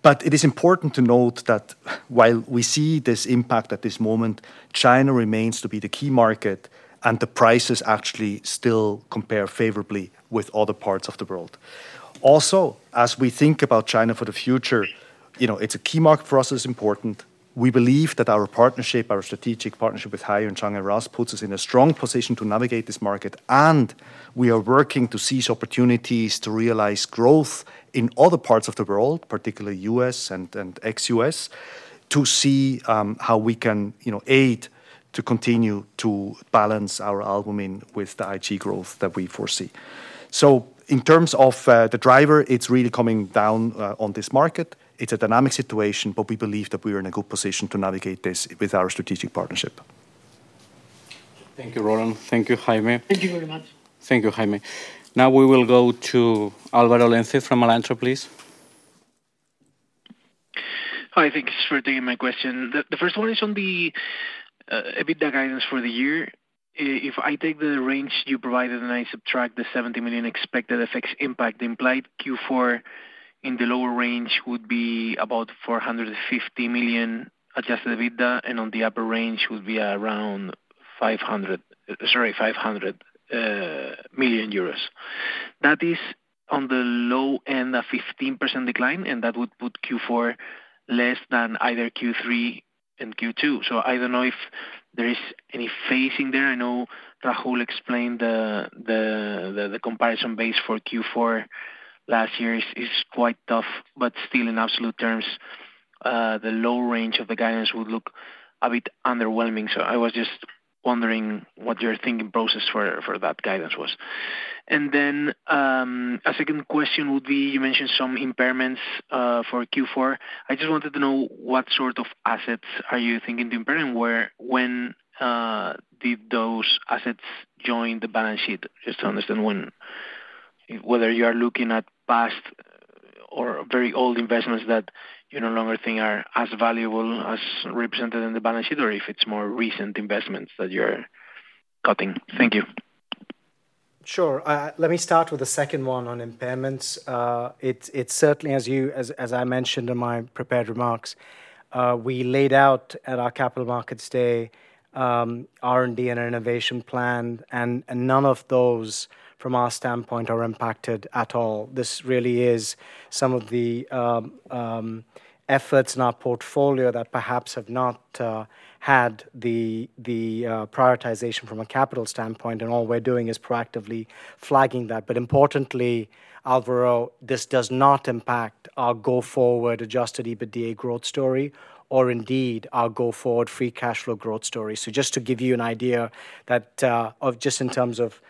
But it is important to note that while we see this impact at this moment, China remains to be the key market, and the prices actually still compare favorably with other parts of the world. Also, as we think about China for the future, it's a key market for us that is important. We believe that our partnership, our strategic partnership with Shanghai RAAS puts us in a strong position to navigate this market. And we are working to seize opportunities to realize growth in other parts of the world, particularly U.S. and ex-U.S., to see how we can aid to continue to balance our albumin with the IG growth that we foresee. So in terms of the driver, it's really coming down on this market. It's a dynamic situation, but we believe that we are in a good position to navigate this with our strategic partnership. Thank you, Roland. Thank you, Jaime. Thank you very much. Thank you, Jaime. Now we will go to Álvaro Lenze from Alantra, please. Hi, thanks for taking my question. The first one is on the EBITDA guidance for the year. If I take the range you provided and I subtract the 70 million expected FX impact implied, Q4 in the lower range would be about 450 million adjusted EBITDA, and on the upper range would be around 500 million euros. That is on the low end of 15% decline, and that would put Q4 less than either Q3 and Q2. So I don't know if there is any phasing there. I know Rahul explained the comparison base for Q4 last year is quite tough, but still, in absolute terms the low range of the guidance would look a bit underwhelming. So I was just wondering what your thinking process for that guidance was. And then a second question would be, you mentioned some impairments for Q4. I just wanted to know what sort of assets are you thinking to impair and when did those assets join the balance sheet? Just to understand whether you are looking at past or very old investments that you no longer think are as valuable as represented in the balance sheet or if it's more recent investments that you're cutting. Thank you. Sure. Let me start with the second one on impairments. It's certainly, as I mentioned in my prepared remarks, we laid out at our capital markets day. R&D and innovation plan, and none of those, from our standpoint, are impacted at all. This really is some of the efforts in our portfolio that perhaps have not had the prioritization from a capital standpoint, and all we're doing is proactively flagging that. But importantly, Álvaro, this does not impact our go-forward adjusted EBITDA growth story or indeed our go-forward free cash flow growth story. So just to give you an idea of just in terms of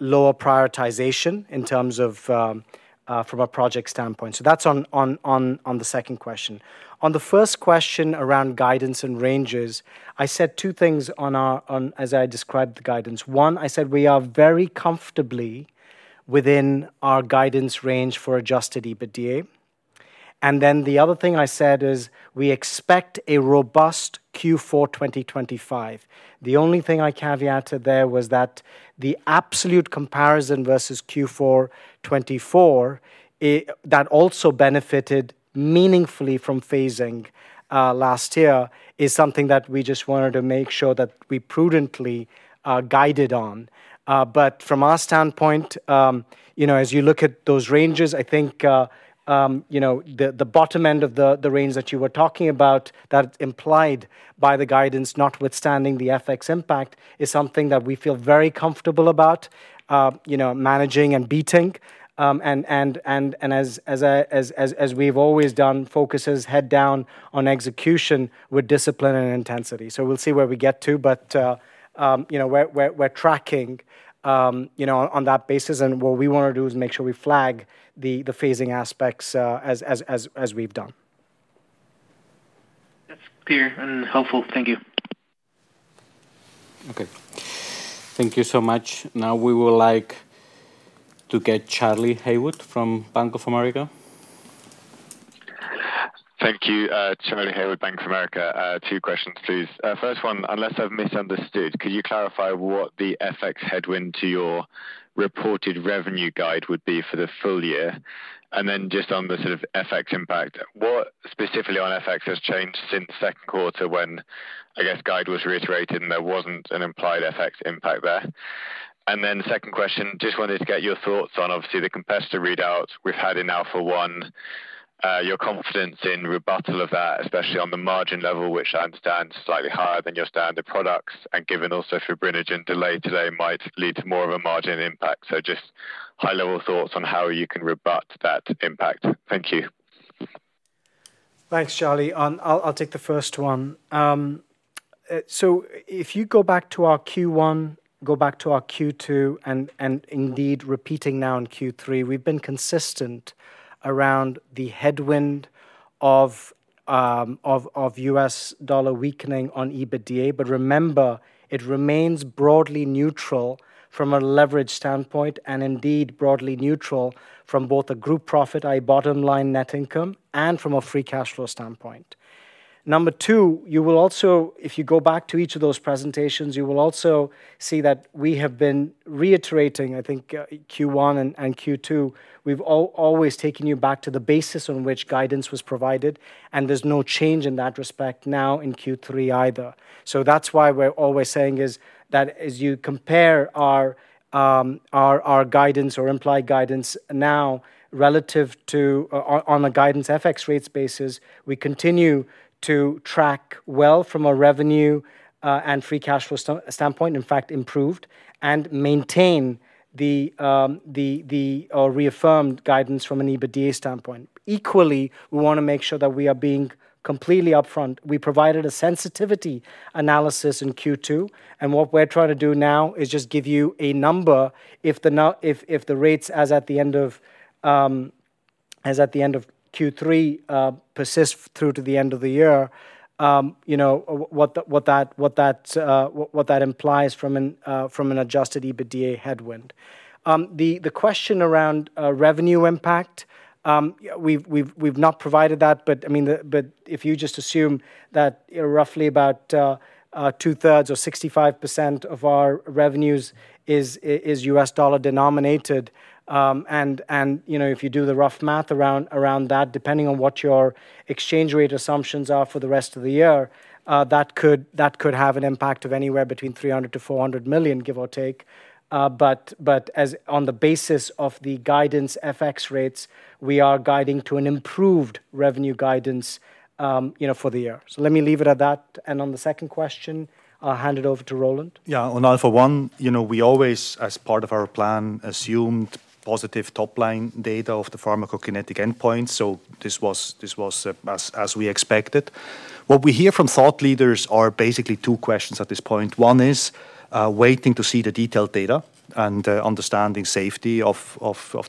lower prioritization in terms of from a project standpoint. So that's on the second question. On the first question around guidance and ranges, I said two things on as I described the guidance. One, I said we are very comfortably within our guidance range for adjusted EBITDA. And then the other thing I said is we expect a robust Q4 2025. The only thing I caveated there was that the absolute comparison versus Q4 2024 that also benefited meaningfully from phasing last year is something that we just wanted to make sure that we prudently guided on. But from our standpoint as you look at those ranges, I think the bottom end of the range that you were talking about that is implied by the guidance, notwithstanding the FX impact, is something that we feel very comfortable about managing and beating. And as we've always done, focuses head down on execution with discipline and intensity. So we'll see where we get to, but we're tracking on that basis. And what we want to do is make sure we flag the phasing aspects as we've done. That's clear and helpful. Thank you. Okay. Thank you so much. Now we would like to get Charlie Haywood from Bank of America. Thank you, Charlie Haywood, Bank of America. Two questions, please. First one, unless I've misunderstood, could you clarify what the FX headwind to your reported revenue guide would be for the full year? And then just on the sort of FX impact, what specifically on FX has changed since second quarter when, I guess, guide was reiterated and there wasn't an implied FX impact there? And then second question, just wanted to get your thoughts on, obviously, the competitor readout we've had in Alpha-1, your confidence in rebuttal of that, especially on the margin level, which I understand is slightly higher than your standard products. And given also fibrinogen delay today might lead to more of a margin impact. So just high-level thoughts on how you can rebut that impact. Thank you. Thanks, Charlie. I'll take the first one. So if you go back to our Q1, go back to our Q2, and indeed repeating now in Q3, we've been consistent around the headwind of U.S. dollar weakening on EBITDA. But remember, it remains broadly neutral from a leverage standpoint and indeed broadly neutral from both a group profit, i.e., bottom line net income, and from a free cash flow standpoint. Number two, you will also, if you go back to each of those presentations, you will also see that we have been reiterating, I think, Q1 and Q2, we've always taken you back to the basis on which guidance was provided, and there's no change in that respect now in Q3 either. So that's why we're always saying is that as you compare our guidance or implied guidance now relative to on a guidance FX rates basis, we continue to track well from a revenue and free cash flow standpoint, in fact, improved, and maintain the reaffirmed guidance from an EBITDA standpoint. Equally, we want to make sure that we are being completely upfront. We provided a sensitivity analysis in Q2, and what we're trying to do now is just give you a number if the rates as at the end of Q3 persist through to the end of the year. What that implies from an adjusted EBITDA headwind. The question around revenue impact, we've not provided that, but I mean, if you just assume that roughly about two-thirds or 65% of our revenues is U.S. dollar denominated. And if you do the rough math around that, depending on what your exchange rate assumptions are for the rest of the year, that could have an impact of anywhere between 300 million-400 million, give or take. But on the basis of the guidance FX rates, we are guiding to an improved revenue guidance for the year. So let me leave it at that. And on the second question, I'll hand it over to Roland. Yeah, on Alpha-1, we always, as part of our plan, assumed positive top-line data of the pharmacokinetic endpoints. So this was as we expected. What we hear from thought leaders are basically two questions at this point. One is waiting to see the detailed data and understanding safety of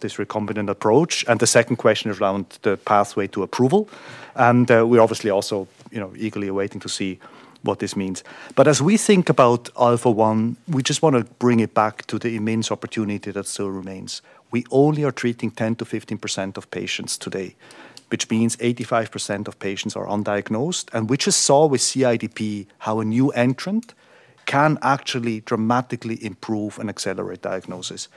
this recombinant approach. And the second question is around the pathway to approval. And we're obviously also eagerly awaiting to see what this means. But as we think about Alpha-1, we just want to bring it back to the immense opportunity that still remains. We only are treating 10%-15% of patients today, which means 85% of patients are undiagnosed, and we just saw with CIDP how a new entrant can actually dramatically improve and accelerate diagnosis.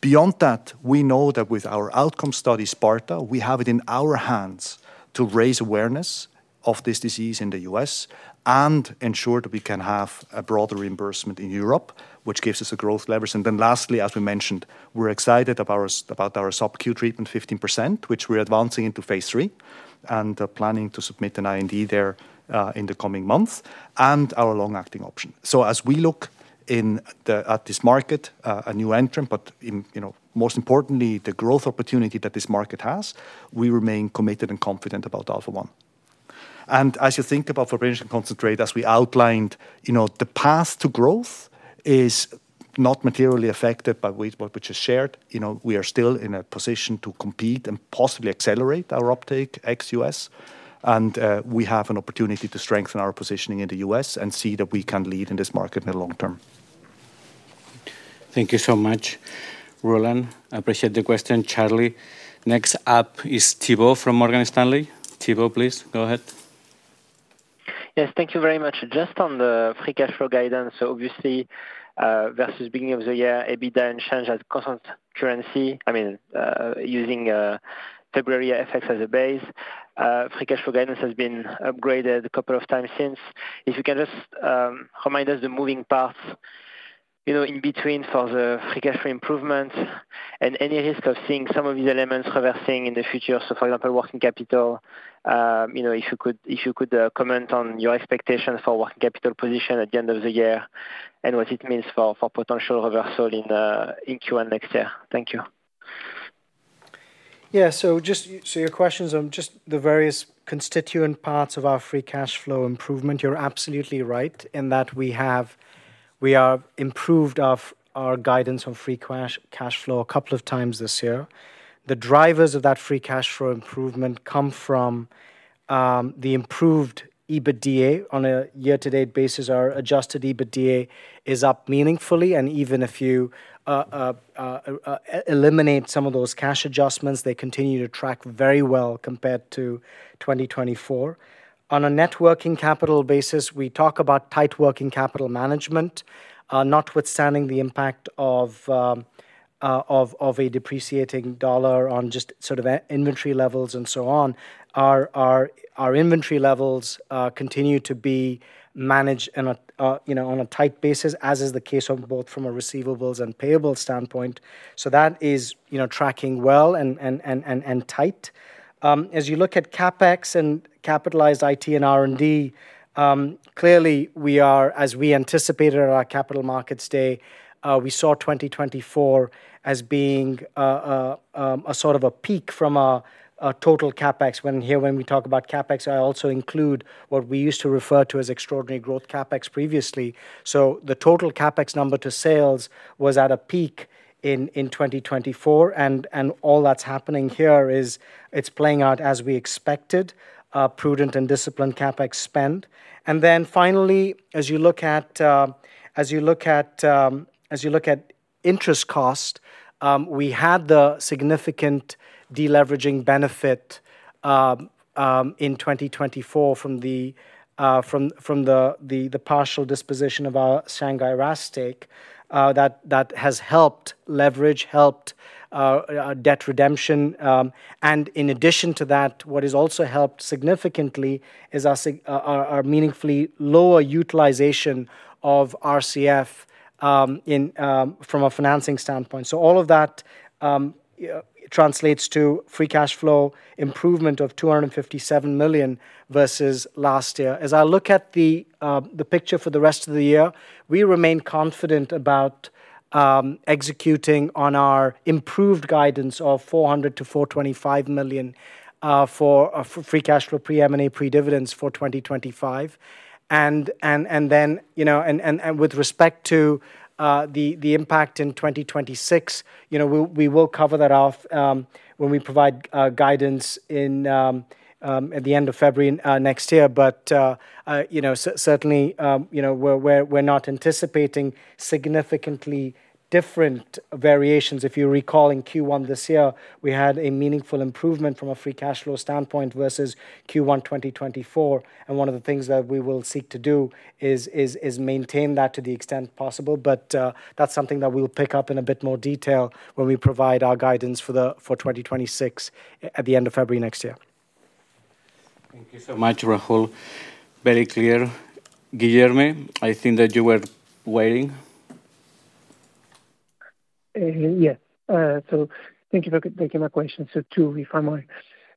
Beyond that, we know that with our outcome study, SPARTA, we have it in our hands to raise awareness of this disease in the U.S. And ensure that we can have a broader reimbursement in Europe, which gives us a growth leverage. And then lastly, as we mentioned, we're excited about soft Q3 in 15%, which we're advancing into phase III and planning to submit an IND there in the coming months and our long-acting option. So as we look at this market, a new entrant, but most importantly, the growth opportunity that this market has, we remain committed and confident about Alpha-1. And as you think about fibrinogen concentrate, as we outlined, the path to growth is not materially affected by what we just shared. We are still in a position to compete and possibly accelerate our uptake ex-US, and we have an opportunity to strengthen our positioning in the U.S. and see that we can lead in this market in the long term. Thank you so much, Roland. I appreciate the question. Charlie, next up is Thibault from Morgan Stanley. Thibault, please go ahead. Yes, thank you very much. Just on the free cash flow guidance, obviously. Versus beginning of the year, EBITDA and change at constant currency, I mean, using February FX as a base, free cash flow guidance has been upgraded a couple of times since. If you can just remind us the moving parts in between for the free cash flow improvement and any risk of seeing some of these elements reversing in the future. So for example, working capital, if you could comment on your expectations for working capital position at the end of the year and what it means for potential reversal in Q1 next year. Thank you. Yeah, so your questions on just the various constituent parts of our free cash flow improvement, you're absolutely right in that we have improved our guidance on free cash flow a couple of times this year. The drivers of that free cash flow improvement come from the improved EBITDA on a year-to-date basis. Our adjusted EBITDA is up meaningfully, and even if you eliminate some of those cash adjustments, they continue to track very well compared to 2024. On a net working capital basis, we talk about tight working capital management. Notwithstanding the impact of a depreciating dollar on just sort of inventory levels and so on. Our inventory levels continue to be managed on a tight basis, as is the case of both from a receivables and payables standpoint. So that is tracking well and tight. As you look at CapEx and capitalized IT and R&D. Clearly, we are, as we anticipated on our capital markets day, we saw 2024 as being a sort of a peak from our total CapEx. Here when we talk about CapEx, I also include what we used to refer to as extraordinary growth CapEx previously. So the total CapEx number to sales was at a peak in 2024, and all that's happening here is it's playing out as we expected, prudent and disciplined CapEx spend. And then finally, as you look at interest cost, we had the significant deleveraging benefit in 2024 from the partial disposition of our Shanghai RAAS stake that has helped leverage, helped debt redemption. And in addition to that, what has also helped significantly is our meaningfully lower utilization of RCF from a financing standpoint. So all of that translates to free cash flow improvement of 257 million versus last year. As I look at the picture for the rest of the year, we remain confident about executing on our improved guidance of 400 million-425 million for free cash flow pre-M&A pre-dividends for 2025. And then with respect to the impact in 2026, we will cover that off when we provide guidance at the end of February next year. But certainly we're not anticipating significantly different variations. If you recall in Q1 this year, we had a meaningful improvement from a free cash flow standpoint versus Q1 2024. And one of the things that we will seek to do is maintain that to the extent possible. But that's something that we'll pick up in a bit more detail when we provide our guidance for 2026 at the end of February next year. Thank you so much, Rahul. Very clear. Guilherme, I think that you were waiting. Yes. So thank you for taking my question. So two questions.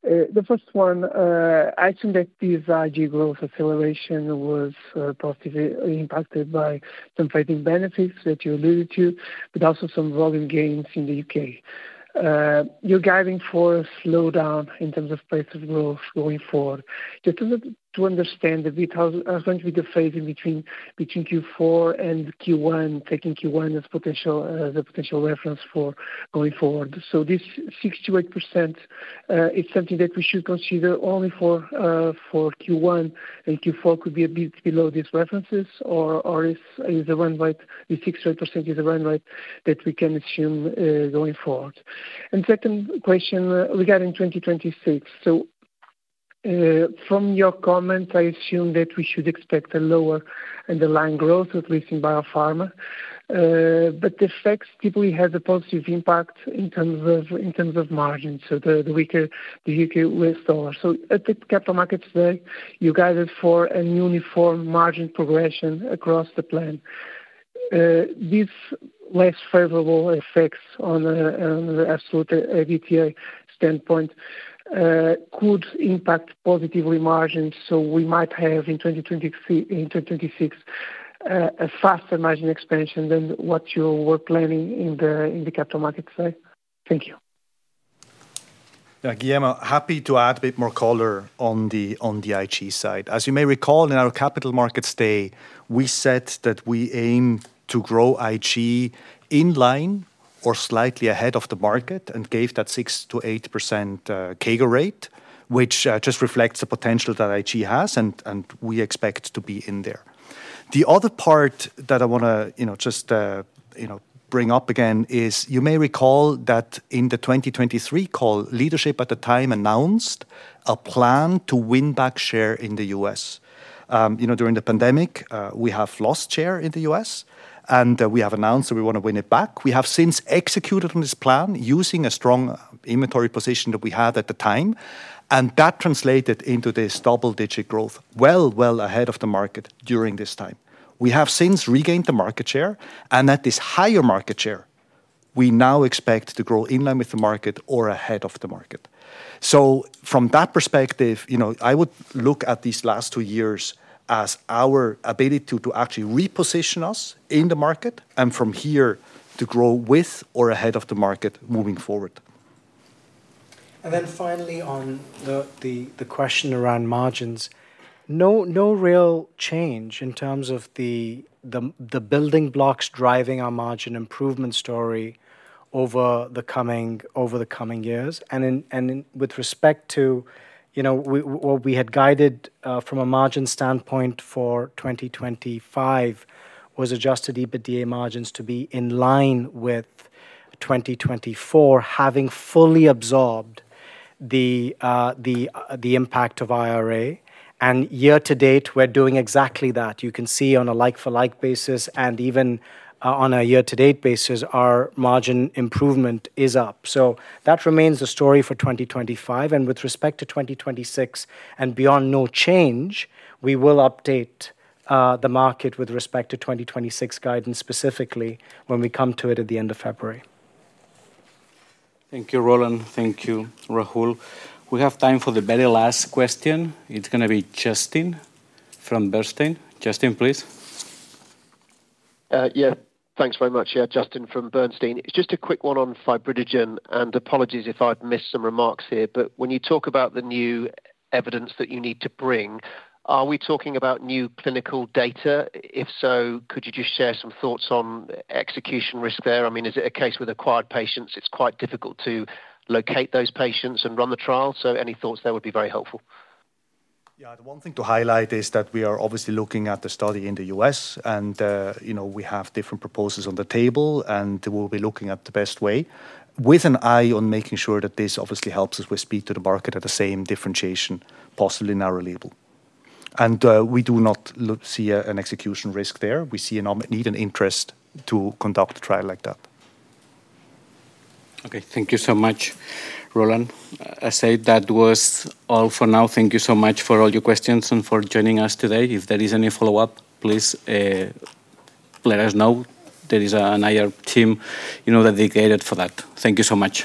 The first one, I assume that this IG growth acceleration was positively impacted by some fading benefits that you alluded to, but also some volume gains in the U.K. You're guiding for a slowdown in terms of plasma growth going forward. Just to understand that this is going to be the phase in between Q4 and Q1, taking Q1 as a potential reference for going forward. So this 62% is something that we should consider only for Q1, and Q4 could be a bit below these references, or is the runway, the 62% is the runway that we can assume going forward. And second question regarding 2026. So from your comments, I assume that we should expect a lower underlying growth, at least in biopharma. But the effects typically have a positive impact in terms of margins, so the weaker U.S. dollar. So at the capital markets day, you guided for a uniform margin progression across the plan. These less favorable effects on the absolute EBITDA standpoint could impact positively margins. So we might have in 2026 a faster margin expansion than what you were planning in the capital markets day. Thank you. Yeah, Guilherme, happy to add a bit more color on the IG side. As you may recall, in our capital markets day, we said that we aim to grow IG in line or slightly ahead of the market and gave that 6%-8% CAGR rate, which just reflects the potential that IG has, and we expect to be in there. The other part that I want to just bring up again is you may recall that in the 2023 call, leadership at the time announced a plan to win back share in the U.S. During the pandemic, we have lost share in the U.S., and we have announced that we want to win it back. We have since executed on this plan using a strong inventory position that we had at the time, and that translated into this double-digit growth well, well ahead of the market during this time. We have since regained the market share, and at this higher market share, we now expect to grow in line with the market or ahead of the market. So from that perspective, I would look at these last two years as our ability to actually reposition us in the market and from here to grow with or ahead of the market moving forward. And then finally, on the question around margins, no real change in terms of the building blocks driving our margin improvement story over the coming years. And with respect to what we had guided from a margin standpoint for 2025 was adjusted EBITDA margins to be in line with 2024, having fully absorbed the impact of IRA. And year-to-date, we're doing exactly that. You can see on a like-for-like basis and even on a year-to-date basis, our margin improvement is up. So that remains the story for 2025. And with respect to 2026 and beyond, no change. We will update the market with respect to 2026 guidance specifically when we come to it at the end of February. Thank you, Roland. Thank you, Rahul. We have time for the very last question. It's going to be Justin from Bernstein. Justin, please. Yeah, thanks very much. Yeah, Justin from Bernstein. It's just a quick one on fibrinogen, and apologies if I've missed some remarks here. But when you talk about the new evidence that you need to bring, are we talking about new clinical data? If so, could you just share some thoughts on execution risk there? I mean, is it a case with acquired patients? It's quite difficult to locate those patients and run the trial. So any thoughts there would be very helpful. Yeah, the one thing to highlight is that we are obviously looking at the study in the U.S., and we have different proposals on the table, and we'll be looking at the best way with an eye on making sure that this obviously helps us with speed to the market at the same differentiation, possibly narrow label. And we do not see an execution risk there. We see a need and interest to conduct a trial like that. Okay, thank you so much, Roland. That's all for now. Thank you so much for all your questions and for joining us today. If there is any follow-up, please let us know. There is an IR team dedicated for that. Thank you so much.